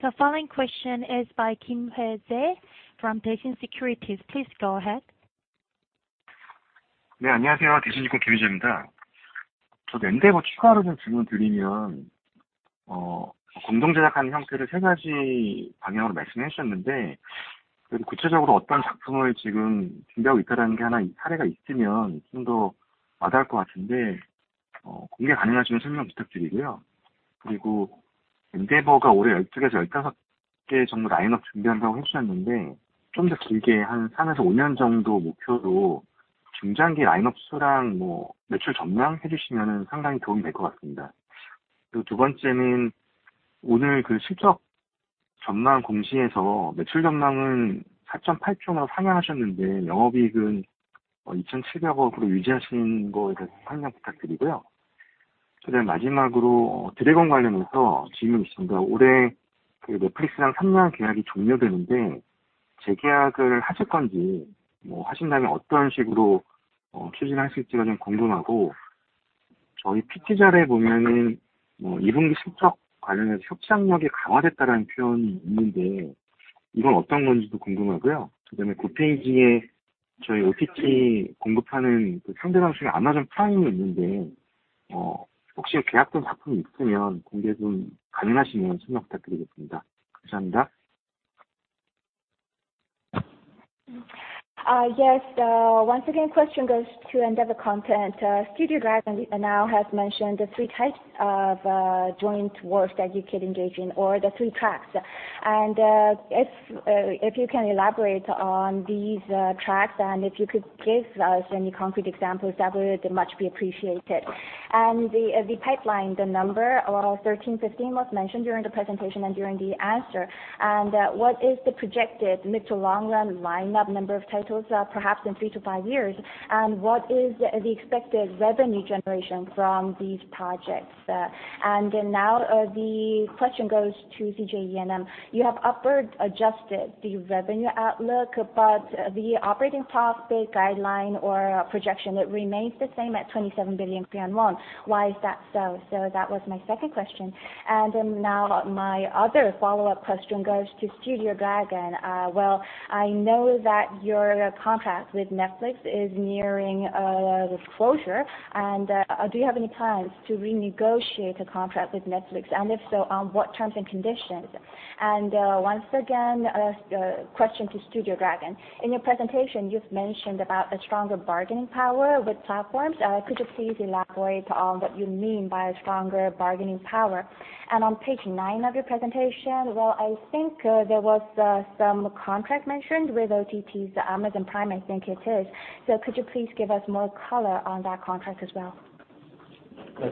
The following question is by Kim Hoi-jae from Daishin Securities. Please go ahead. 네, 안녕하세요. 대신증권 김회재입니다. 저도 Endeavor Content 추가로 좀 질문드리면, 공동 제작하는 형태를 세 가지 방향으로 말씀해 주셨는데 그래도 구체적으로 어떤 작품을 지금 준비하고 있다라는 게 하나 사례가 있으면 좀더와 닿을 것 같은데, 공개 가능하시면 설명 부탁드리고요. 그리고 Endeavor Content가 올해 12개에서 15개 정도 라인업 준비한다고 해주셨는데 좀더 길게 한 3에서 5년 정도 목표로 중장기 라인업 수랑 뭐 매출 전망해 주시면 상당히 도움이 될것 같습니다. 그리고 두 번째는 오늘 그 실적 전망 공시에서 매출 전망은 4,800억으로 상향하셨는데 영업이익은 2,700억으로 유지하시는 거에 대해서 설명 부탁드리고요. 그다음에 마지막으로 Studio Dragon 관련해서 질문이 있습니다. 올해 그 Netflix랑 3년 계약이 종료되는데 재계약을 하실 건지, 뭐 하신다면 어떤 식으로 추진하실지가 좀 궁금하고. 저희 PT 자료에 보면은 뭐 2분기 실적 관련해서 협상력이 강화됐다라는 표현이 있는데 이건 어떤 건지도 궁금하고요. 그다음에 그 페이지에 저희 OTT 공급하는 그 상대방 중에 Amazon Prime이 있는데, 혹시 계약된 작품이 있으면 공개 좀 가능하시면 설명 부탁드리겠습니다. 감사합니다. Yes. Once again, question goes to Endeavor Content. Studio Dragon now has mentioned the three types of joint works that you could engage in or the three tracks. If you can elaborate on these tracks, and if you could give us any concrete examples, that would much be appreciated. The pipeline, the number of 13, 15 was mentioned during the presentation and during the answer. What is the projected mid to long run lineup number of titles, perhaps in three to five years? And what is the expected revenue generation from these projects? Now, the question goes to CJ ENM. You have upward adjusted the revenue outlook, but the operating profit guideline or projection, it remains the same at 27 billion. Why is that so? That was my second question. Now my other follow-up question goes to Studio Dragon. I know that your contract with Netflix is nearing this closure. Do you have any plans to renegotiate a contract with Netflix? And if so, on what terms and conditions? Once again, question to Studio Dragon. In your presentation, you've mentioned about a stronger bargaining power with platforms. Could you please elaborate on what you mean by stronger bargaining power? On page nine of your presentation, I think there was some contract mentioned with OTTs, Amazon Prime, I think it is. Could you please give us more color on that contract as well? I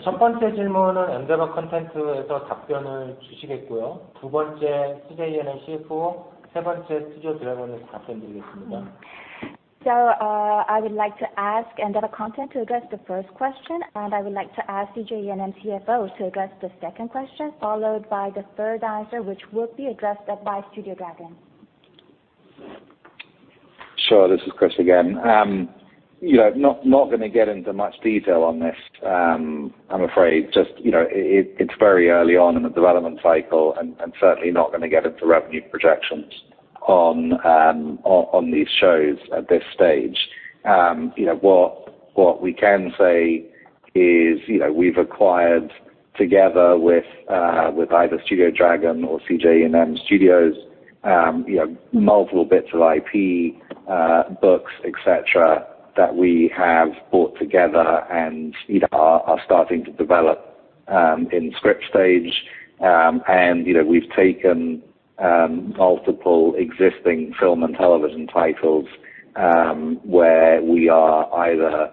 would like to ask Endeavor Content to address the first question, and I would like to ask CJ ENM CFO to address the second question, followed by the third answer, which will be addressed by Studio Dragon. Sure. This is Chris again. You know, not gonna get into much detail on this, I'm afraid. Just, you know, it's very early on in the development cycle and certainly not gonna get into revenue projections on these shows at this stage. You know, what we can say is, you know, we've acquired together with either Studio Dragon or CJ ENM Studios, you know, multiple bits of IP, books, et cetera, that we have bought together and, you know, are starting to develop in script stage. You know, we've taken multiple existing film and television titles where we are either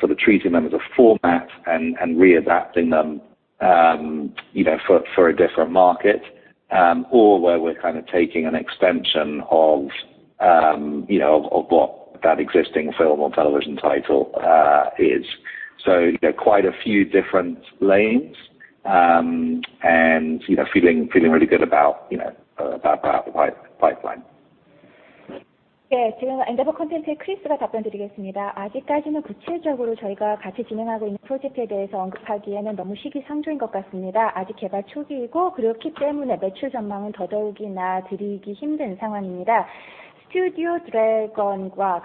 sort of treating them as a format and readapting them, you know, for a different market or where we're kind of taking an extension of you know of what that existing film or television title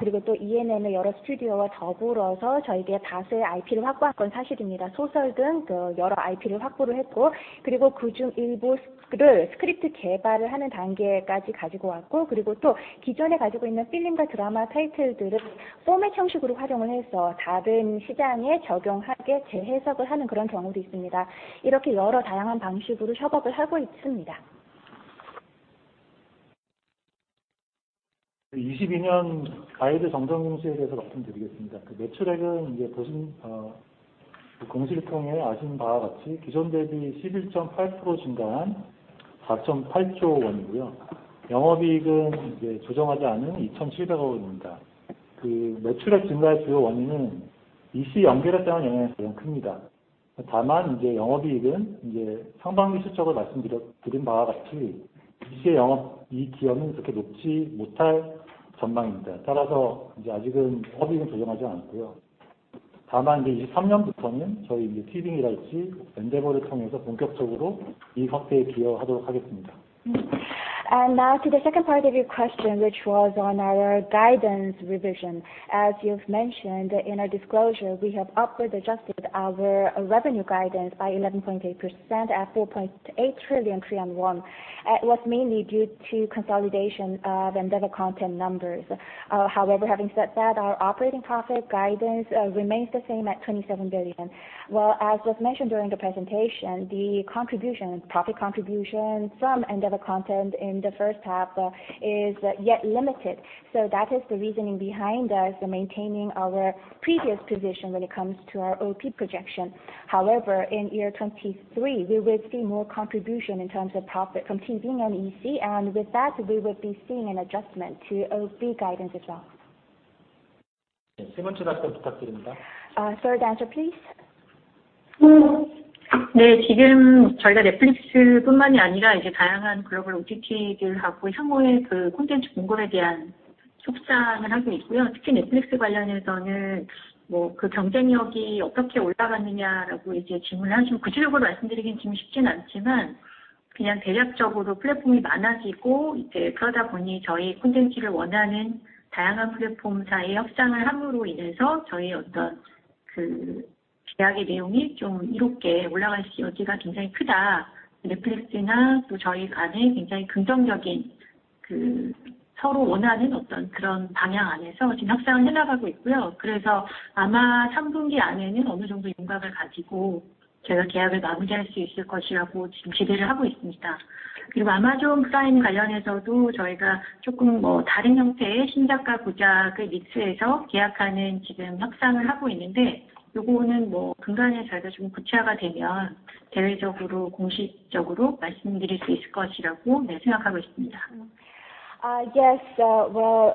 is. There are quite a few different lanes and you know feeling really good about you know about that pipeline. Now to the second part of your question, which was on our guidance revision. As you've mentioned in our disclosure, we have upward adjusted our revenue guidance by 11.8% at 4.8 trillion. Was mainly due to consolidation of Endeavor Content numbers. However, having said that, our operating profit guidance remains the same at 27 billion. As was mentioned during the presentation, the contribution, profit contribution from Endeavor Content in the first half is yet limited. So that is the reasoning behind us maintaining our previous position when it comes to our OP projection. However, in 2023, we will see more contribution in terms of profit from TVING and EC. With that, we will be seeing an adjustment to OP guidance as well. Third answer, please. Yes. Well,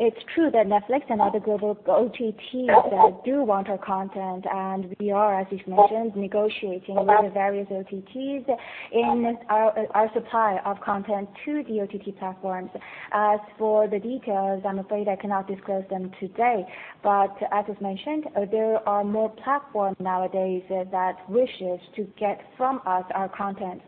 it's true that Netflix and other global OTTs do want our content, and we are, as you've mentioned, negotiating with the various OTTs in our supply of content to the OTT platforms. As for the details, I'm afraid I cannot disclose them today. As was mentioned, there are more platforms nowadays that wishes to get from us our content.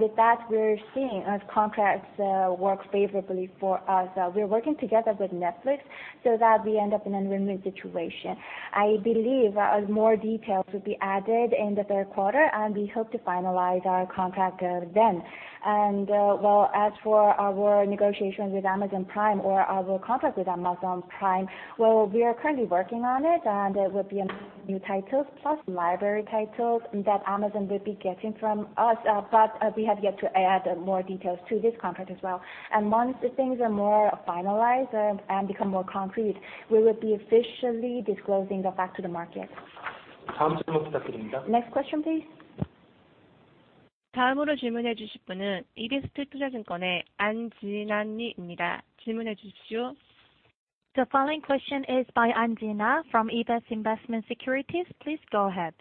With that, we're seeing, as contracts work favorably for us. We're working together with Netflix so that we end up in a win-win situation. I believe that more details will be added in the third quarter, and we hope to finalize our contract then. As for our negotiations with Amazon Prime or our contract with Amazon Prime, we are currently working on it, and it would be new titles plus library titles that Amazon will be getting from us. But we have yet to add more details to this contract as well. Once the things are more finalized and become more concrete, we will be officially disclosing that back to the market. Next question, please. The following question is by Ahn Ji-na from EBEST Investment & Securities. Please go ahead.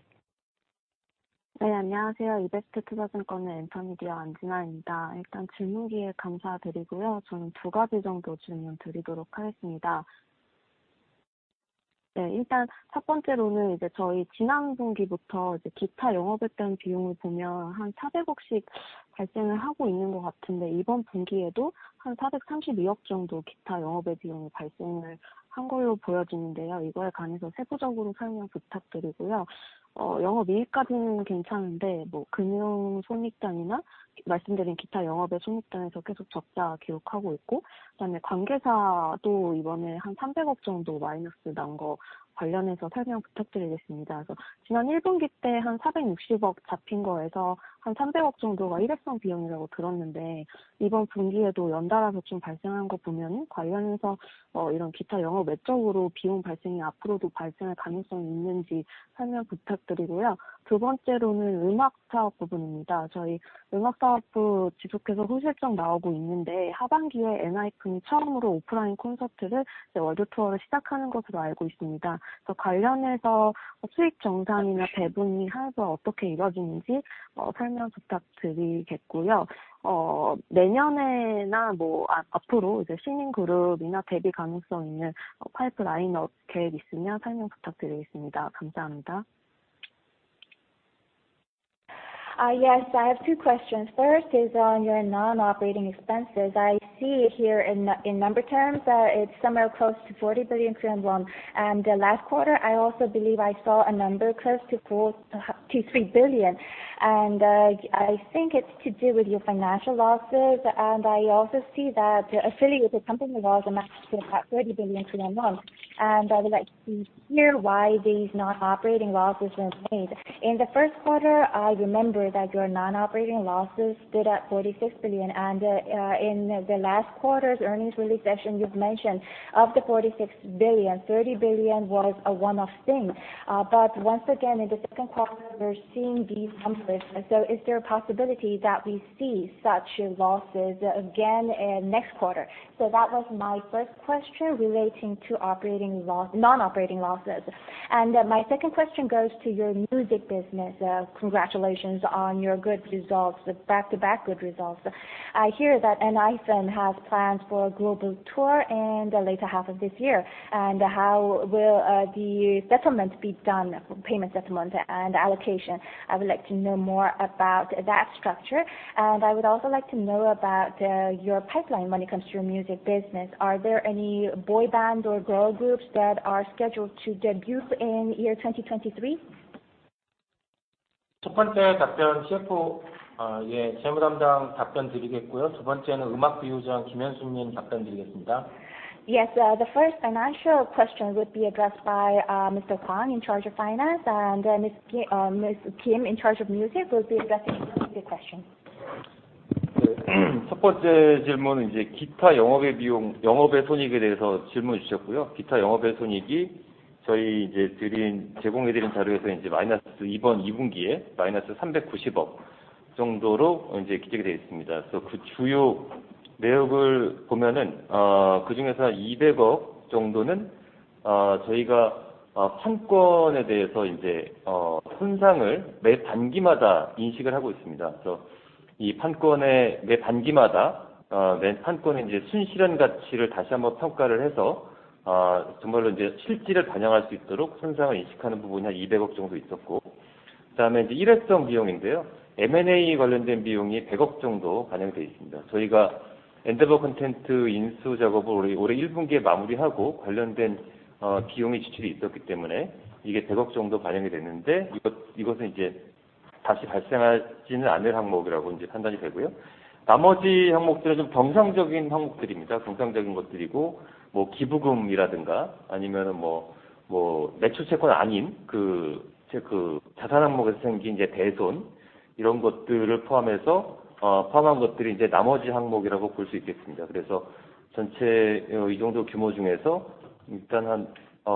전체 이 정도 규모 중에서 일단 한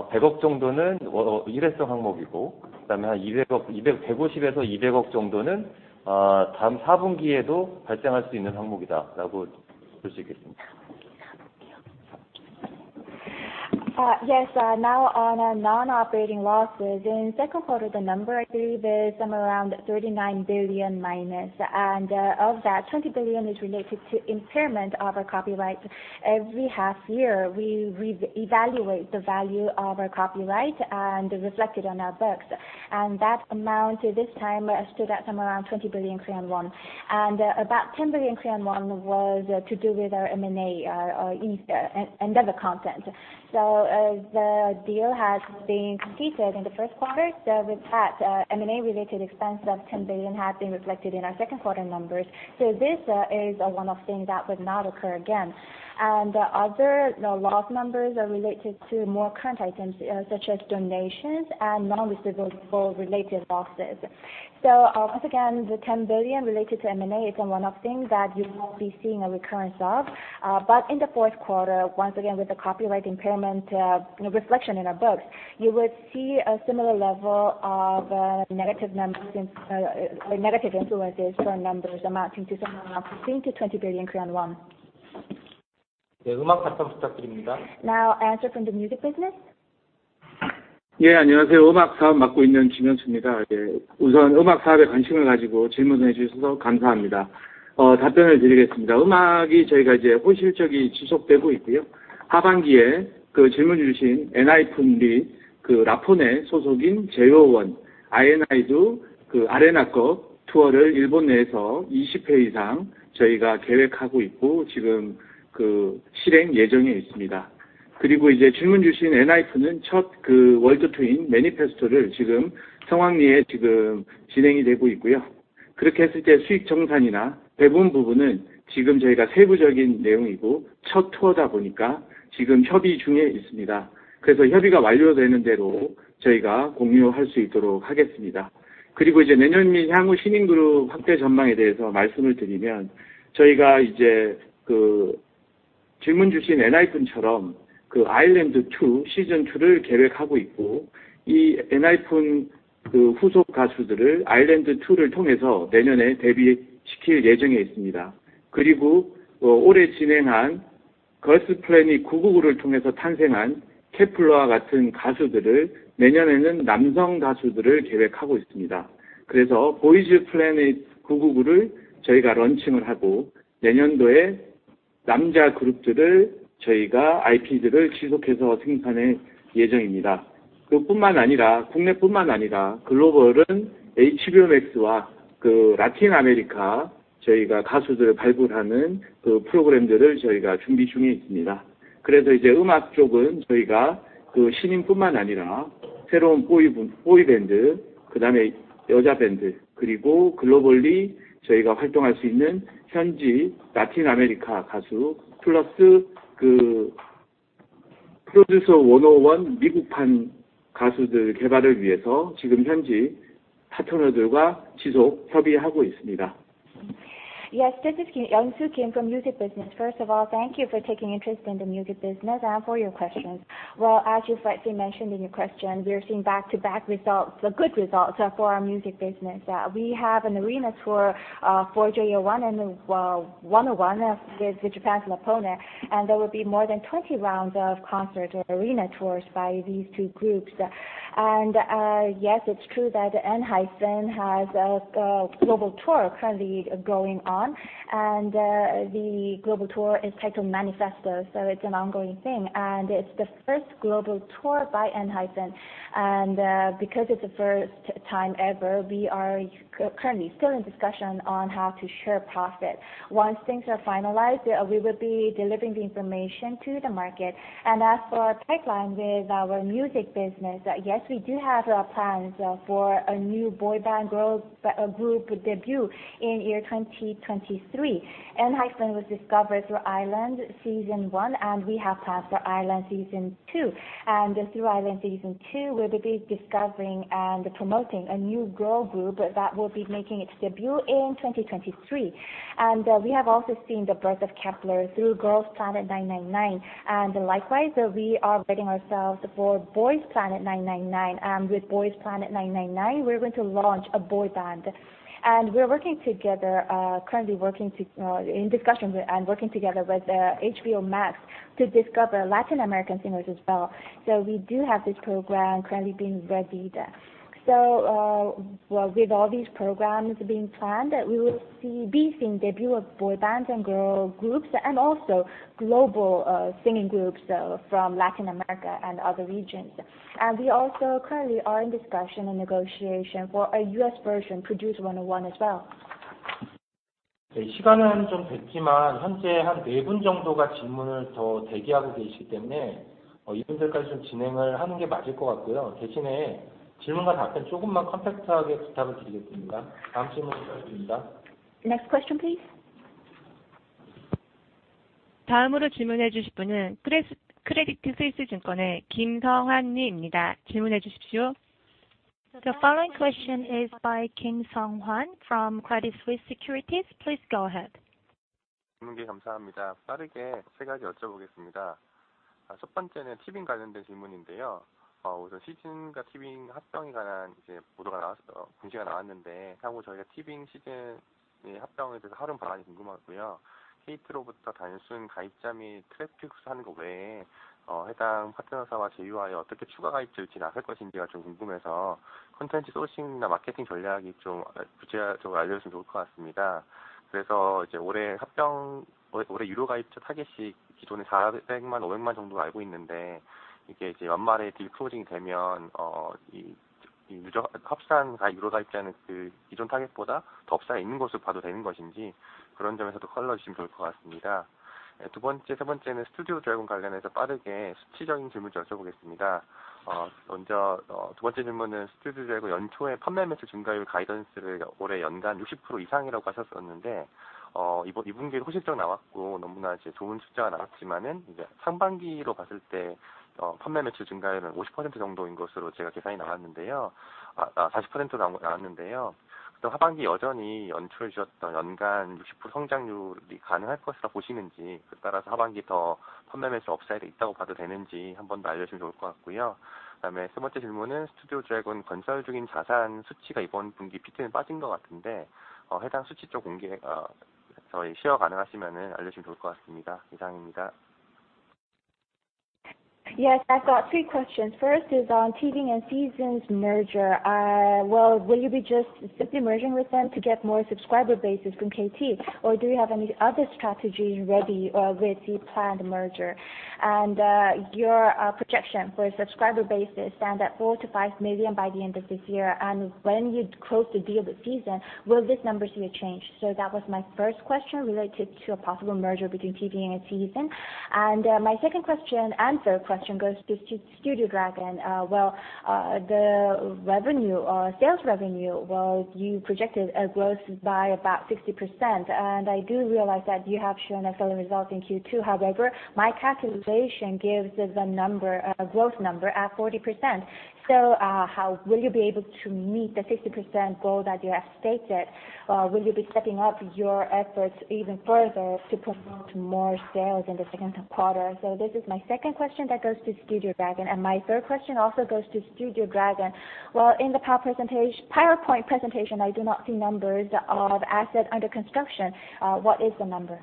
백억 정도는 일회성 항목이고, 그다음에 한 이백억, 백오십에서 이백억 정도는 다음 사분기에도 발생할 수 있는 항목이다라고 볼수 있겠습니다. Now, on non-operating losses. In second quarter, the number, I believe, is somewhere around negative 39 billion. Of that, 20 billion is related to impairment of our copyright. Every half year, we re-evaluate the value of our copyright and reflect it on our books. That amount this time stood at somewhere around 20 billion Korean won. About 10 billion Korean won was to do with our M&A or investment in Endeavor Content. The deal has been completed in the first quarter, so with that, M&A related expense of 10 billion has been reflected in our second quarter numbers. This is one of the things that would not occur again. Other, you know, loss numbers are related to more current items, such as donations and non-distributable related losses. Once again, the 10 billion related to M&A is a one-off thing that you won't be seeing a recurrence of. In the fourth quarter, once again, with the copyright impairment, you know, reflection in our books, you would see a similar level of, negative numbers in, or negative influences for our numbers amounting to somewhere around 15 to 20 billion. 네, 음악 사업 부탁드립니다. Now, answer from the music business. 안녕하세요. 음악 사업 맡고 있는 김현수입니다. 우선 음악 사업에 관심을 가지고 질문을 해주셔서 감사합니다. 답변을 드리겠습니다. 음악이 저희가 이제 호실적이 지속되고 있고요. 하반기에 질문 주신 ENHYPEN 및 라폰의 소속인 JO1, INI도 아레나급 투어를 일본 내에서 20회 이상 저희가 계획하고 있고 지금 실행 예정에 있습니다. 그리고 질문 주신 ENHYPEN은 첫 월드 투어인 Manifesto를 지금 성황리에 진행이 되고 있고요. 그렇게 했을 때 수익 정산이나 배분 부분은 지금 저희가 세부적인 내용이고, 첫 투어다 보니까 지금 협의 중에 있습니다. 협의가 완료되는 대로 저희가 공유할 수 있도록 하겠습니다. 그리고 내년 및 향후 신인 그룹 확대 전망에 대해서 말씀을 드리면, 저희가 질문 주신 ENHYPEN처럼 I-LAND 2를 계획하고 있고, ENHYPEN 후속 가수들을 I-LAND 2를 통해서 내년에 데뷔시킬 예정에 있습니다. 그리고 올해 진행한 Girls Planet 999를 통해서 탄생한 Kep1er와 같은 가수들을 내년에는 남성 가수들을 계획하고 있습니다. 그래서 Boys Planet 999를 저희가 런칭을 하고 내년도에 남자 그룹들을 저희가 IP들을 지속해서 생산할 예정입니다. 그뿐만 아니라 국내뿐만 아니라 글로벌은 HBO Max와 그 라틴아메리카 저희가 가수들을 발굴하는 그 프로그램들을 저희가 준비 중에 있습니다. 그래서 이제 음악 쪽은 저희가 그 신인뿐만 아니라 새로운 보이 밴드, 그다음에 여자 밴드, 그리고 글로벌리 저희가 활동할 수 있는 현지 라틴아메리카 가수 플러스 그 Produce 101 미국판 가수들 개발을 위해서 지금 현지 파트너들과 지속 협의하고 있습니다. Yes, this is Hyunsoo Kim from Music Business. First of all, thank you for taking interest in the music business and for your questions. Well, as you rightly mentioned in your question, we are seeing back-to-back results, good results, for our music business. We have an arena tour for JO1 and INI with Japan's Lapone Entertainment, and there will be more than 20 rounds of concert or arena tours by these two groups. Yes, it's true that ENHYPEN has a global tour currently going on. The global tour is titled Manifesto, so it's an ongoing thing. It's the first global tour by ENHYPEN. Because it's the first time ever, we are currently still in discussion on how to share profit. Once things are finalized, we will be delivering the information to the market. As for our pipeline with our music business, yes, we do have plans for a new boy band girls group debut in 2023. ENHYPEN was discovered through I-LAND season 1, and we have plans for I-LAND season 2. Through I-LAND season 2, we'll be discovering and promoting a new girl group that will be making its debut in 2023. We have also seen the birth of Kep1er through Girls Planet 999. Likewise, we are readying ourselves for Boys Planet 999. With Boys Planet 999, we're going to launch a boy band. We're currently in discussions and working together with HBO Max to discover Latin American singers as well. We do have this program currently being readied. With all these programs being planned, we will be seeing debut of boy bands and girl groups and also global, singing groups, from Latin America and other regions. We also currently are in discussion and negotiation for a US version Produce 101 as well. 네, 시간은 좀 됐지만 현재 한네분 정도가 질문을 더 대기하고 계시기 때문에 이분들까지 좀 진행을 하는 게 맞을 것 같고요. 대신에 질문과 답변 조금만 컴팩트하게 부탁을 드리겠습니다. 다음 질문 부탁드립니다. Next question, please. 다음으로 질문해 주실 분은 크레디트 스위스 증권의 김성환 님입니다. 질문해 주십시오. The following question is by Kim Sunghwan from Credit Suisse Securities. Please go ahead. Yes, I've got three questions. First is on TVING and Seezn merger. Will you be just simply merging with them to get more subscriber bases from KT? Or do you have any other strategy ready with the planned merger? Your projection for a subscriber base stand at 4 to 5 million by the end of this year. When you close the deal with Seezn, will this number see a change? That was my first question related to a possible merger between TVING and Seezn. My second question and third question go to Studio Dragon. The sales revenue, while you projected a growth by about 60%, and I do realize that you have shown a solid result in second quarter. However, my calculation gives the number growth number at 40%. How will you be able to meet the 60% goal that you have stated? Will you be stepping up your efforts even further to promote more sales in the second quarter? This is my second question that goes to Studio Dragon. My third question also goes to Studio Dragon. Well, in the PowerPoint presentation, I do not see numbers of asset under construction. What is the number?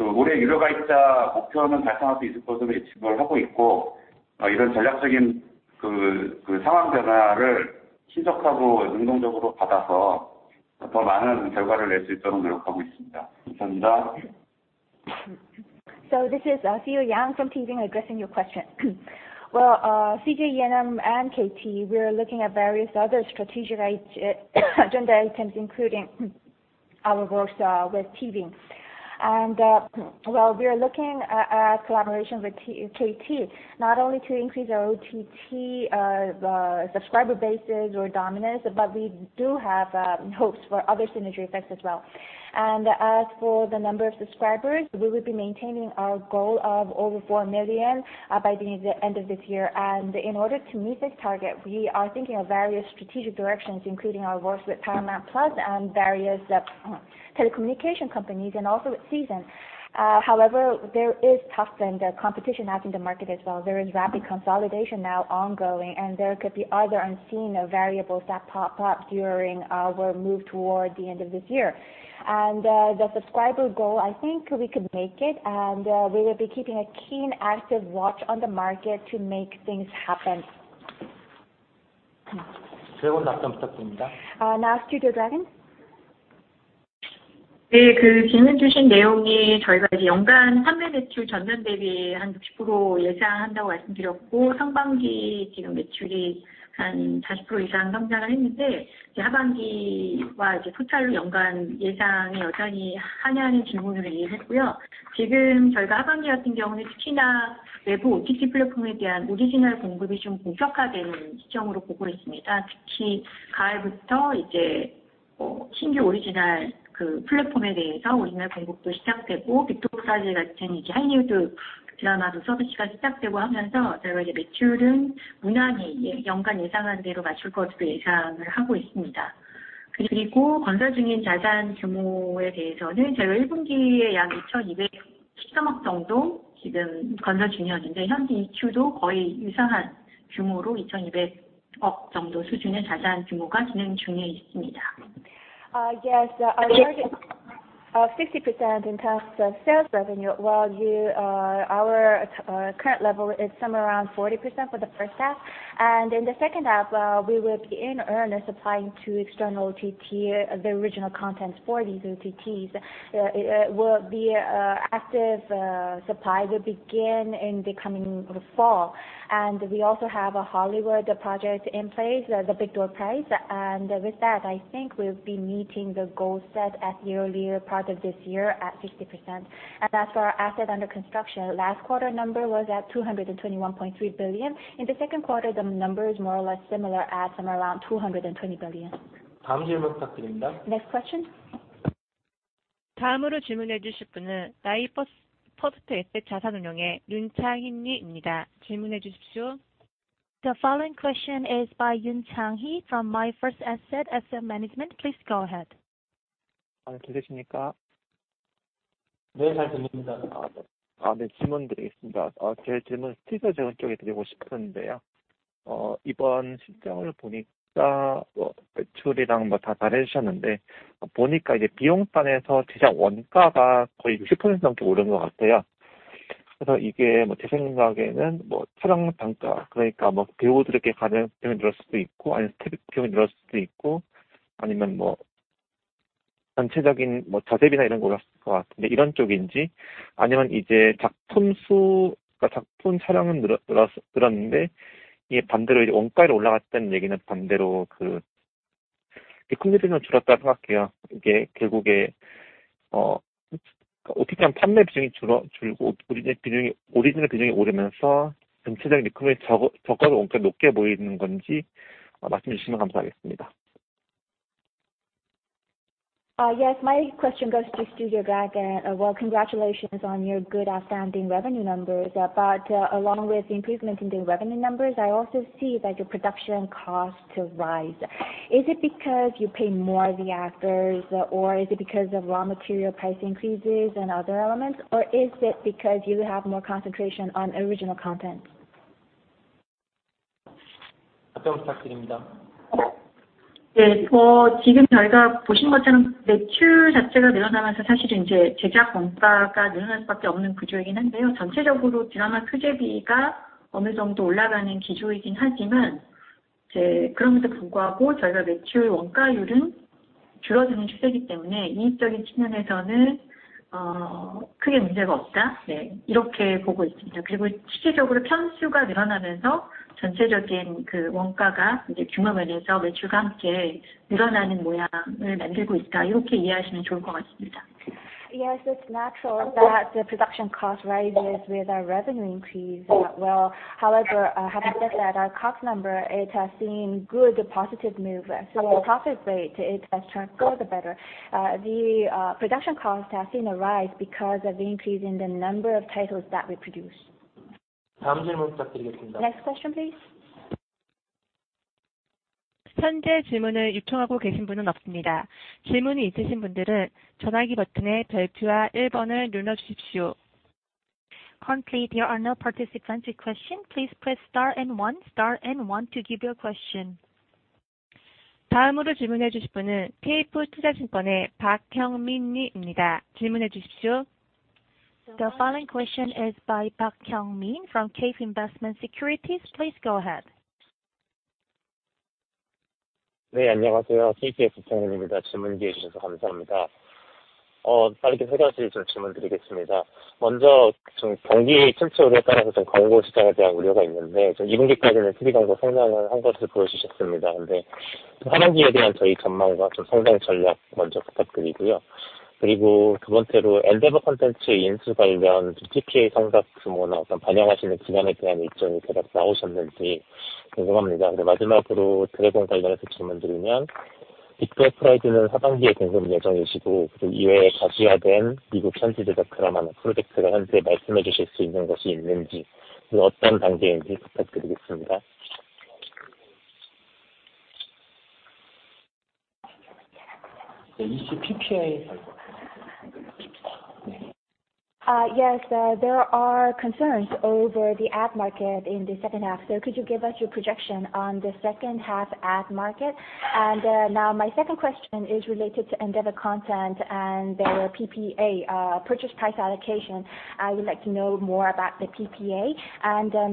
This is CEO Yang Ji-eul from TVING addressing your question. Well, CJ ENM and KT, we are looking at various other strategic agenda items, including our works with TVING. Well, we are looking at collaboration with KT not only to increase our OTT subscriber bases or dominance, but we do have hopes for other synergy effects as well. As for the number of subscribers, we will be maintaining our goal of over 4 million by the end of this year. In order to meet this target, we are thinking of various strategic directions, including our works with Paramount+ and various telecommunication companies and also with Seezn. However, there is toughened competition out in the market as well. There is rapid consolidation now ongoing, and there could be other unseen variables that pop up during our move toward the end of this year. The subscriber goal, I think we could make it, and we will be keeping a keen, active watch on the market to make things happen. Now Studio Dragon. Yes, our target 60% in terms of sales revenue. This year, our current level is somewhere around 40% for the first half. In the second half, we will be in earnest applying to external OTT the original contents for these OTTs. Active supply will begin in the coming fall. We also have a Hollywood project in place, The Big Door Prize. With that, I think we'll be meeting the goal set at the earlier part of this year at 60%. As for our asset under construction, last quarter number was at 221.3 billion. In the second quarter, the number is more or less similar at somewhere around KRW 220 billion. Next question. The following question is by Yoon Chang-hee from MyFirst Asset Management. Please go ahead. Yes. My question goes to Studio Dragon. Well, congratulations on your good outstanding revenue numbers. Along with the improvement in the revenue numbers, I also see that your production costs have rise. Is it because you pay more the actors, or is it because of raw material price increases and other elements? Or is it because you have more concentration on original content? Yes, it's natural that the production cost rises with our revenue increase. Well, however, having said that, our cost number, it has seen good positive movement. Our profit rate, it has turned good or better. The production cost has seen a rise because of the increase in the number of titles that we produce. Next question, please. Currently, there are no participants with question. Please press star and one, star and one to give your question. The following question is by Park Kyung Min from KB Investment & Securities. Please go ahead. Yes. There are concerns over the ad market in the second half. Could you give us your projection on the second half ad market? Now my second question is related to Endeavor Content and their PPA, purchase price allocation. I would like to know more about the PPA.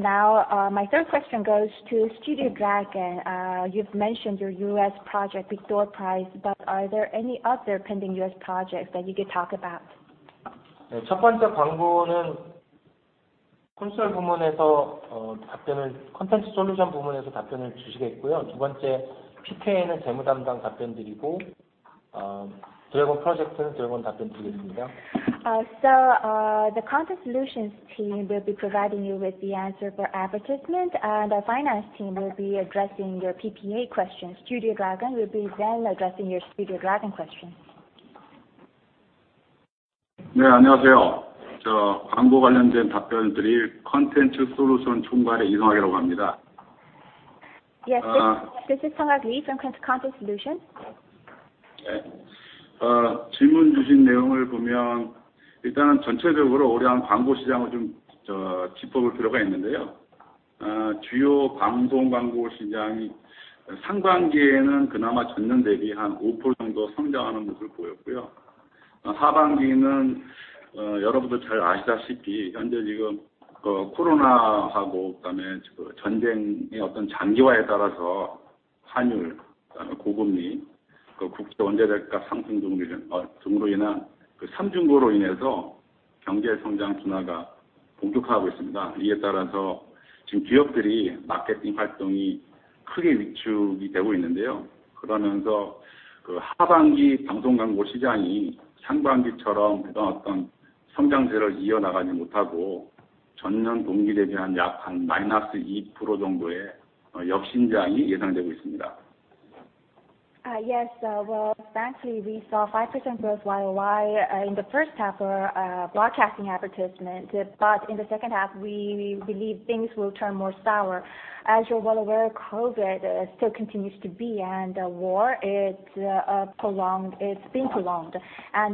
Now, my third question goes to Studio Dragon. You've mentioned your US project, Big Door Prize, but are there any other pending US projects that you could talk about? The Content Solutions team will be providing you with the answer for advertisement, and our finance team will be addressing your PPA question. Studio Dragon will be addressing your Studio Dragon question. 네, 안녕하세요. 저 광고 관련된 답변드릴 콘텐츠 솔루션 총괄의 Sungkak Lee라고 합니다. Yes, this is Sungkak Lee from Content Solutions. 질문 주신 내용을 보면 일단은 전체적으로 올해 광고 시장을 좀 짚어볼 필요가 있는데요. 주요 방송 광고 시장이 상반기에는 그나마 전년 대비 약 5% 정도 성장하는 모습을 보였고요. 하반기에는 여러분들 잘 아시다시피 현재 코로나하고 그다음에 전쟁의 장기화에 따라서 환율, 그다음에 고금리, 국제 원재료값 상승 등으로 인한 삼중고로 인해서 경제 성장 둔화가 본격화하고 있습니다. 이에 따라서 지금 기업들의 마케팅 활동이 크게 위축이 되고 있는데요. 그러면서 하반기 방송 광고 시장이 상반기처럼 어떤 성장세를 이어나가지 못하고, 전년 동기 대비 약 -2% 정도의 역신장이 예상되고 있습니다. Yes. Well, frankly, we saw 5% growth while year-over-year in the first half our broadcasting advertisement. In the second half, we believe things will turn more sour. As you're well aware, COVID still continues to be, and war is prolonged.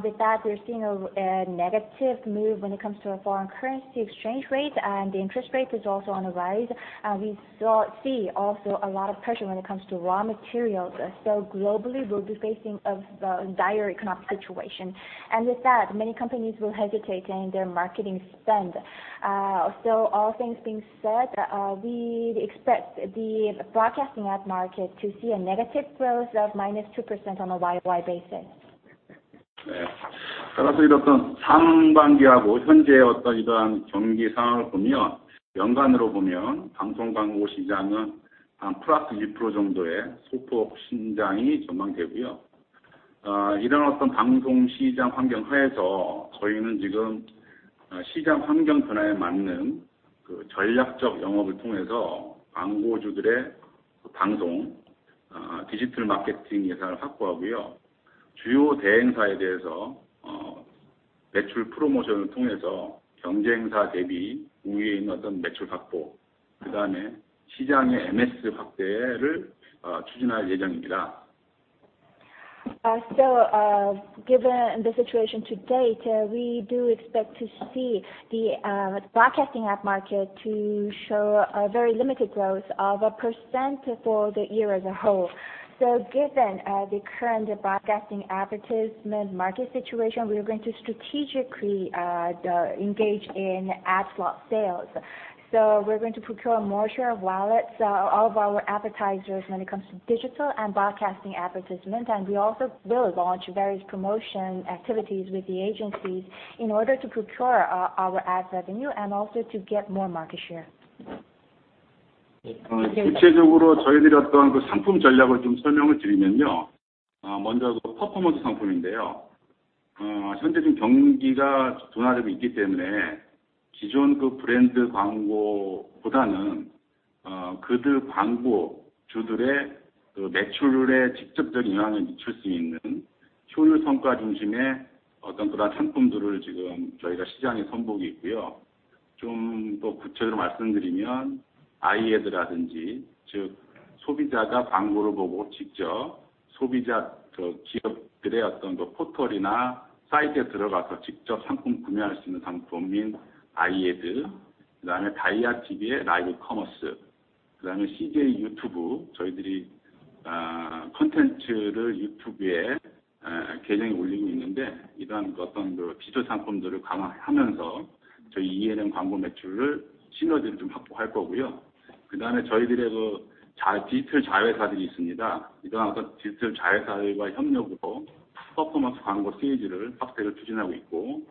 With that, we're seeing a negative move when it comes to a foreign currency exchange rate, and the interest rate is also on the rise. We also see a lot of pressure when it comes to raw materials. Globally, we'll be facing dire economic situation. With that, many companies will hesitate in their marketing spend. All things being said, we expect the broadcasting ad market to see a negative growth of -2% on a year-over-year basis. 따라서 이런 상반기하고 현재의 이러한 경기 상황을 보면, 연간으로 보면 방송 광고 시장은 한 +2% 정도의 소폭 신장이 전망되고요. 이런 방송 시장 환경하에서 저희는 지금 시장 환경 변화에 맞는 전략적 영업을 통해서 광고주들의 방송, 디지털 마케팅 예산을 확보하고요. 주요 대행사에 대해서 매출 프로모션을 통해서 경쟁사 대비 우위에 있는 매출 확보, 그다음에 시장의 MS 확대를 추진할 예정입니다. Given the situation to date, we do expect to see the broadcasting ad market to show a very limited growth of 1% for the year as a whole. Given the current broadcasting advertisement market situation, we are going to strategically engage in ad slot sales. We're going to procure more share of wallet. All of our advertisers, when it comes to digital and broadcasting advertisement, and we also will launch various promotion activities with the agencies in order to procure our ad revenue and also to get more market share. 구체적으로 저희들의 상품 전략을 좀 설명을 드리면요. 먼저 퍼포먼스 상품인데요. 현재 좀 경기가 둔화되고 있기 때문에 기존 브랜드 광고보다는 광고주들의 매출에 직접적인 영향을 미칠 수 있는 효율 성과 중심의 상품들을 지금 저희가 시장에 선보이고 있고요. 좀더 구체적으로 말씀드리면 i-AD라든지, 즉 소비자가 광고를 보고 직접 기업들의 포털이나 사이트에 들어가서 직접 상품 구매할 수 있는 상품인 i-AD, 그다음에 DIA TV의 라이브 커머스, 그다음에 CJ 유튜브, 저희들이 콘텐츠를 유튜브 계정에 올리고 있는데, 이러한 디지털 상품들을 강화하면서 저희 ENM 광고 매출의 시너지를 좀 확보할 거고요. 그다음에 저희들의 디지털 자회사들이 있습니다. 이러한 디지털 자회사와의 협력으로 퍼포먼스 광고 수주를 확대를 추진하고 있고,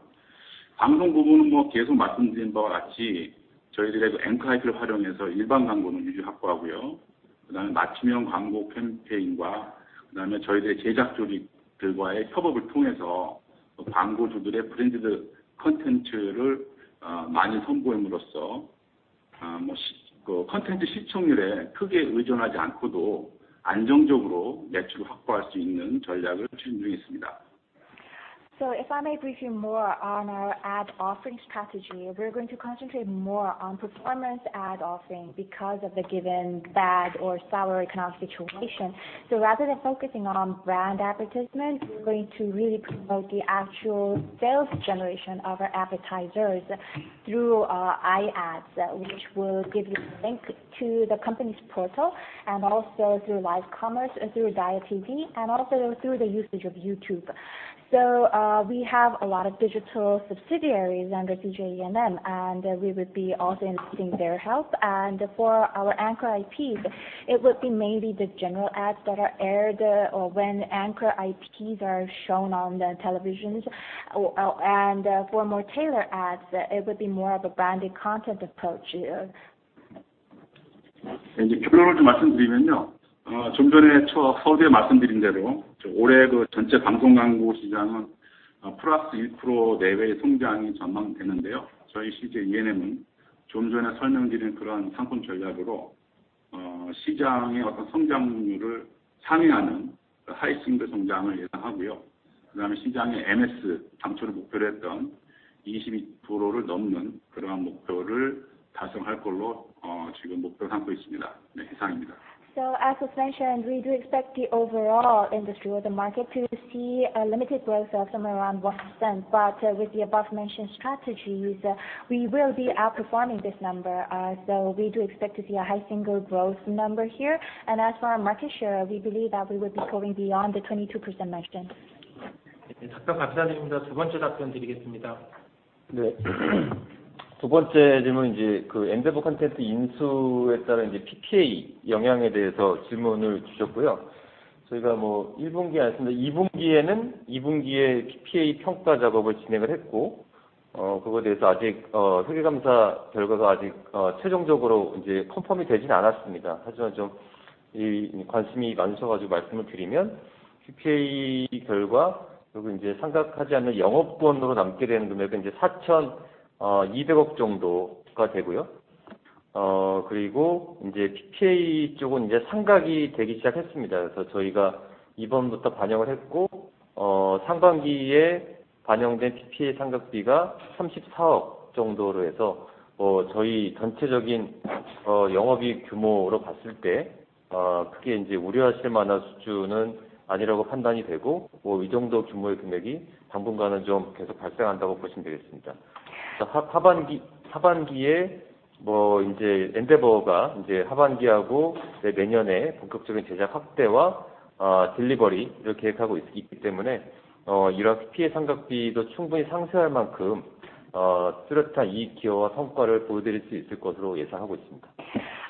방송 부분은 계속 말씀드린 바와 같이 저희들의 Anchor IP를 활용해서 일반 광고는 유지 확보하고요. 그다음에 맞춤형 광고 캠페인과 그다음에 저희들의 제작 조직들과의 협업을 통해서 광고주들의 브랜디드 콘텐츠를 많이 선보임으로써 콘텐츠 시청률에 크게 의존하지 않고도 안정적으로 매출을 확보할 수 있는 전략을 추진 중입니다. If I may brief you more on our ad offerings strategy, we're going to concentrate more on performance ad offering because of the given bad or sour economic situation. Rather than focusing on brand advertisement, we're going to really promote the actual sales generation of our advertisers through i-ADs, which will give you a link to the company's portal and also through live commerce, through DIA TV, and also through the usage of YouTube. We have a lot of digital subsidiaries under CJ ENM, and we would be also enlisting their help. For our Anchor IP, it would be maybe the general ads that are aired or when Anchor IPs are shown on the televisions. For more tailored ads, it would be more of a branded content approach. Yeah. 네, 이제 결론을 좀 말씀드리면요. 좀 전에 서두에 말씀드린 대로 올해 전체 방송 광고 시장은 +1% 내외의 성장이 전망되는데요. 저희 CJ ENM은 좀 전에 설명드린 그러한 상품 전략으로 As was mentioned, we do expect the overall industry or the market to see a limited growth of somewhere around 1%. With the above-mentioned strategies, we will be outperforming this number. We do expect to see a high single-digit growth number here. As for our market share, we believe that we will be going beyond the 22% mentioned.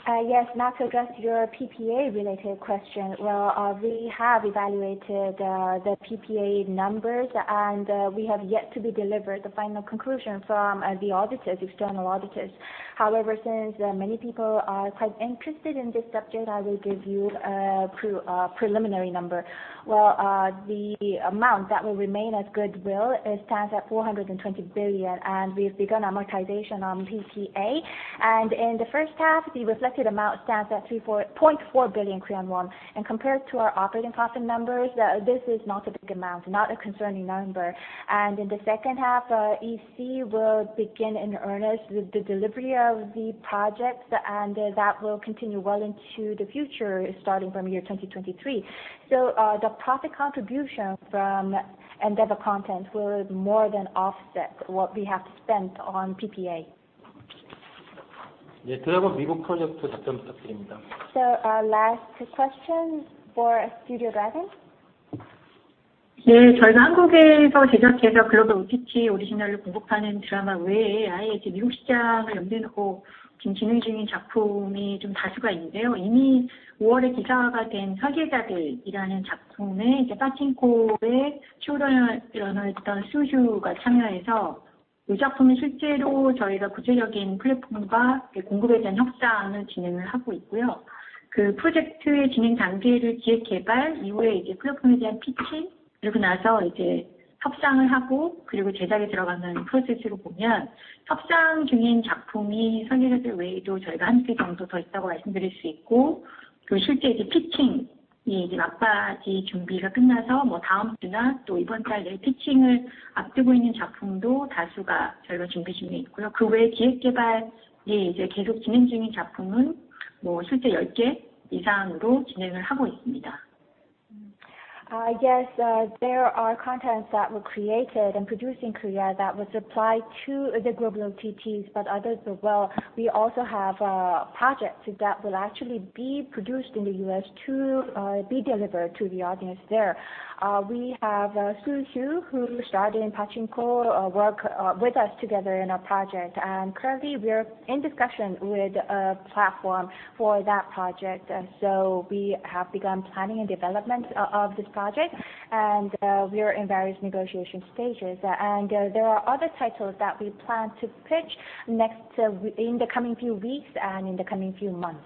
Yes. Now to address your PPA related question. We have evaluated the PPA numbers, and we have yet to be delivered the final conclusion from the auditors, external auditors. However, since many people are quite interested in this subject, I will give you preliminary number. The amount that will remain as goodwill, it stands at 420 billion, and we've begun amortization on PPA. In the first half, the reflected amount stands at 3.4 billion Korean won. Compared to our operating profit numbers, this is not a big amount, not a concerning number. In the second half, EC will begin in earnest with the delivery of the projects, and that will continue well into the future, starting from year 2023. The profit contribution from Endeavor Content will more than offset what we have spent on PPA. Last question for Studio Dragon. Yes. There are contents that were created and produced in Korea that was applied to the global OTTs, but others as well. We also have projects that will actually be produced in the US to be delivered to the audience there. We have Soo Hugh, who starred in Pachinko, work with us together in a project, and currently we are in discussion with a platform for that project. We have begun planning and development of this project, and we are in various negotiation stages. There are other titles that we plan to pitch next, in the coming few weeks and in the coming few months.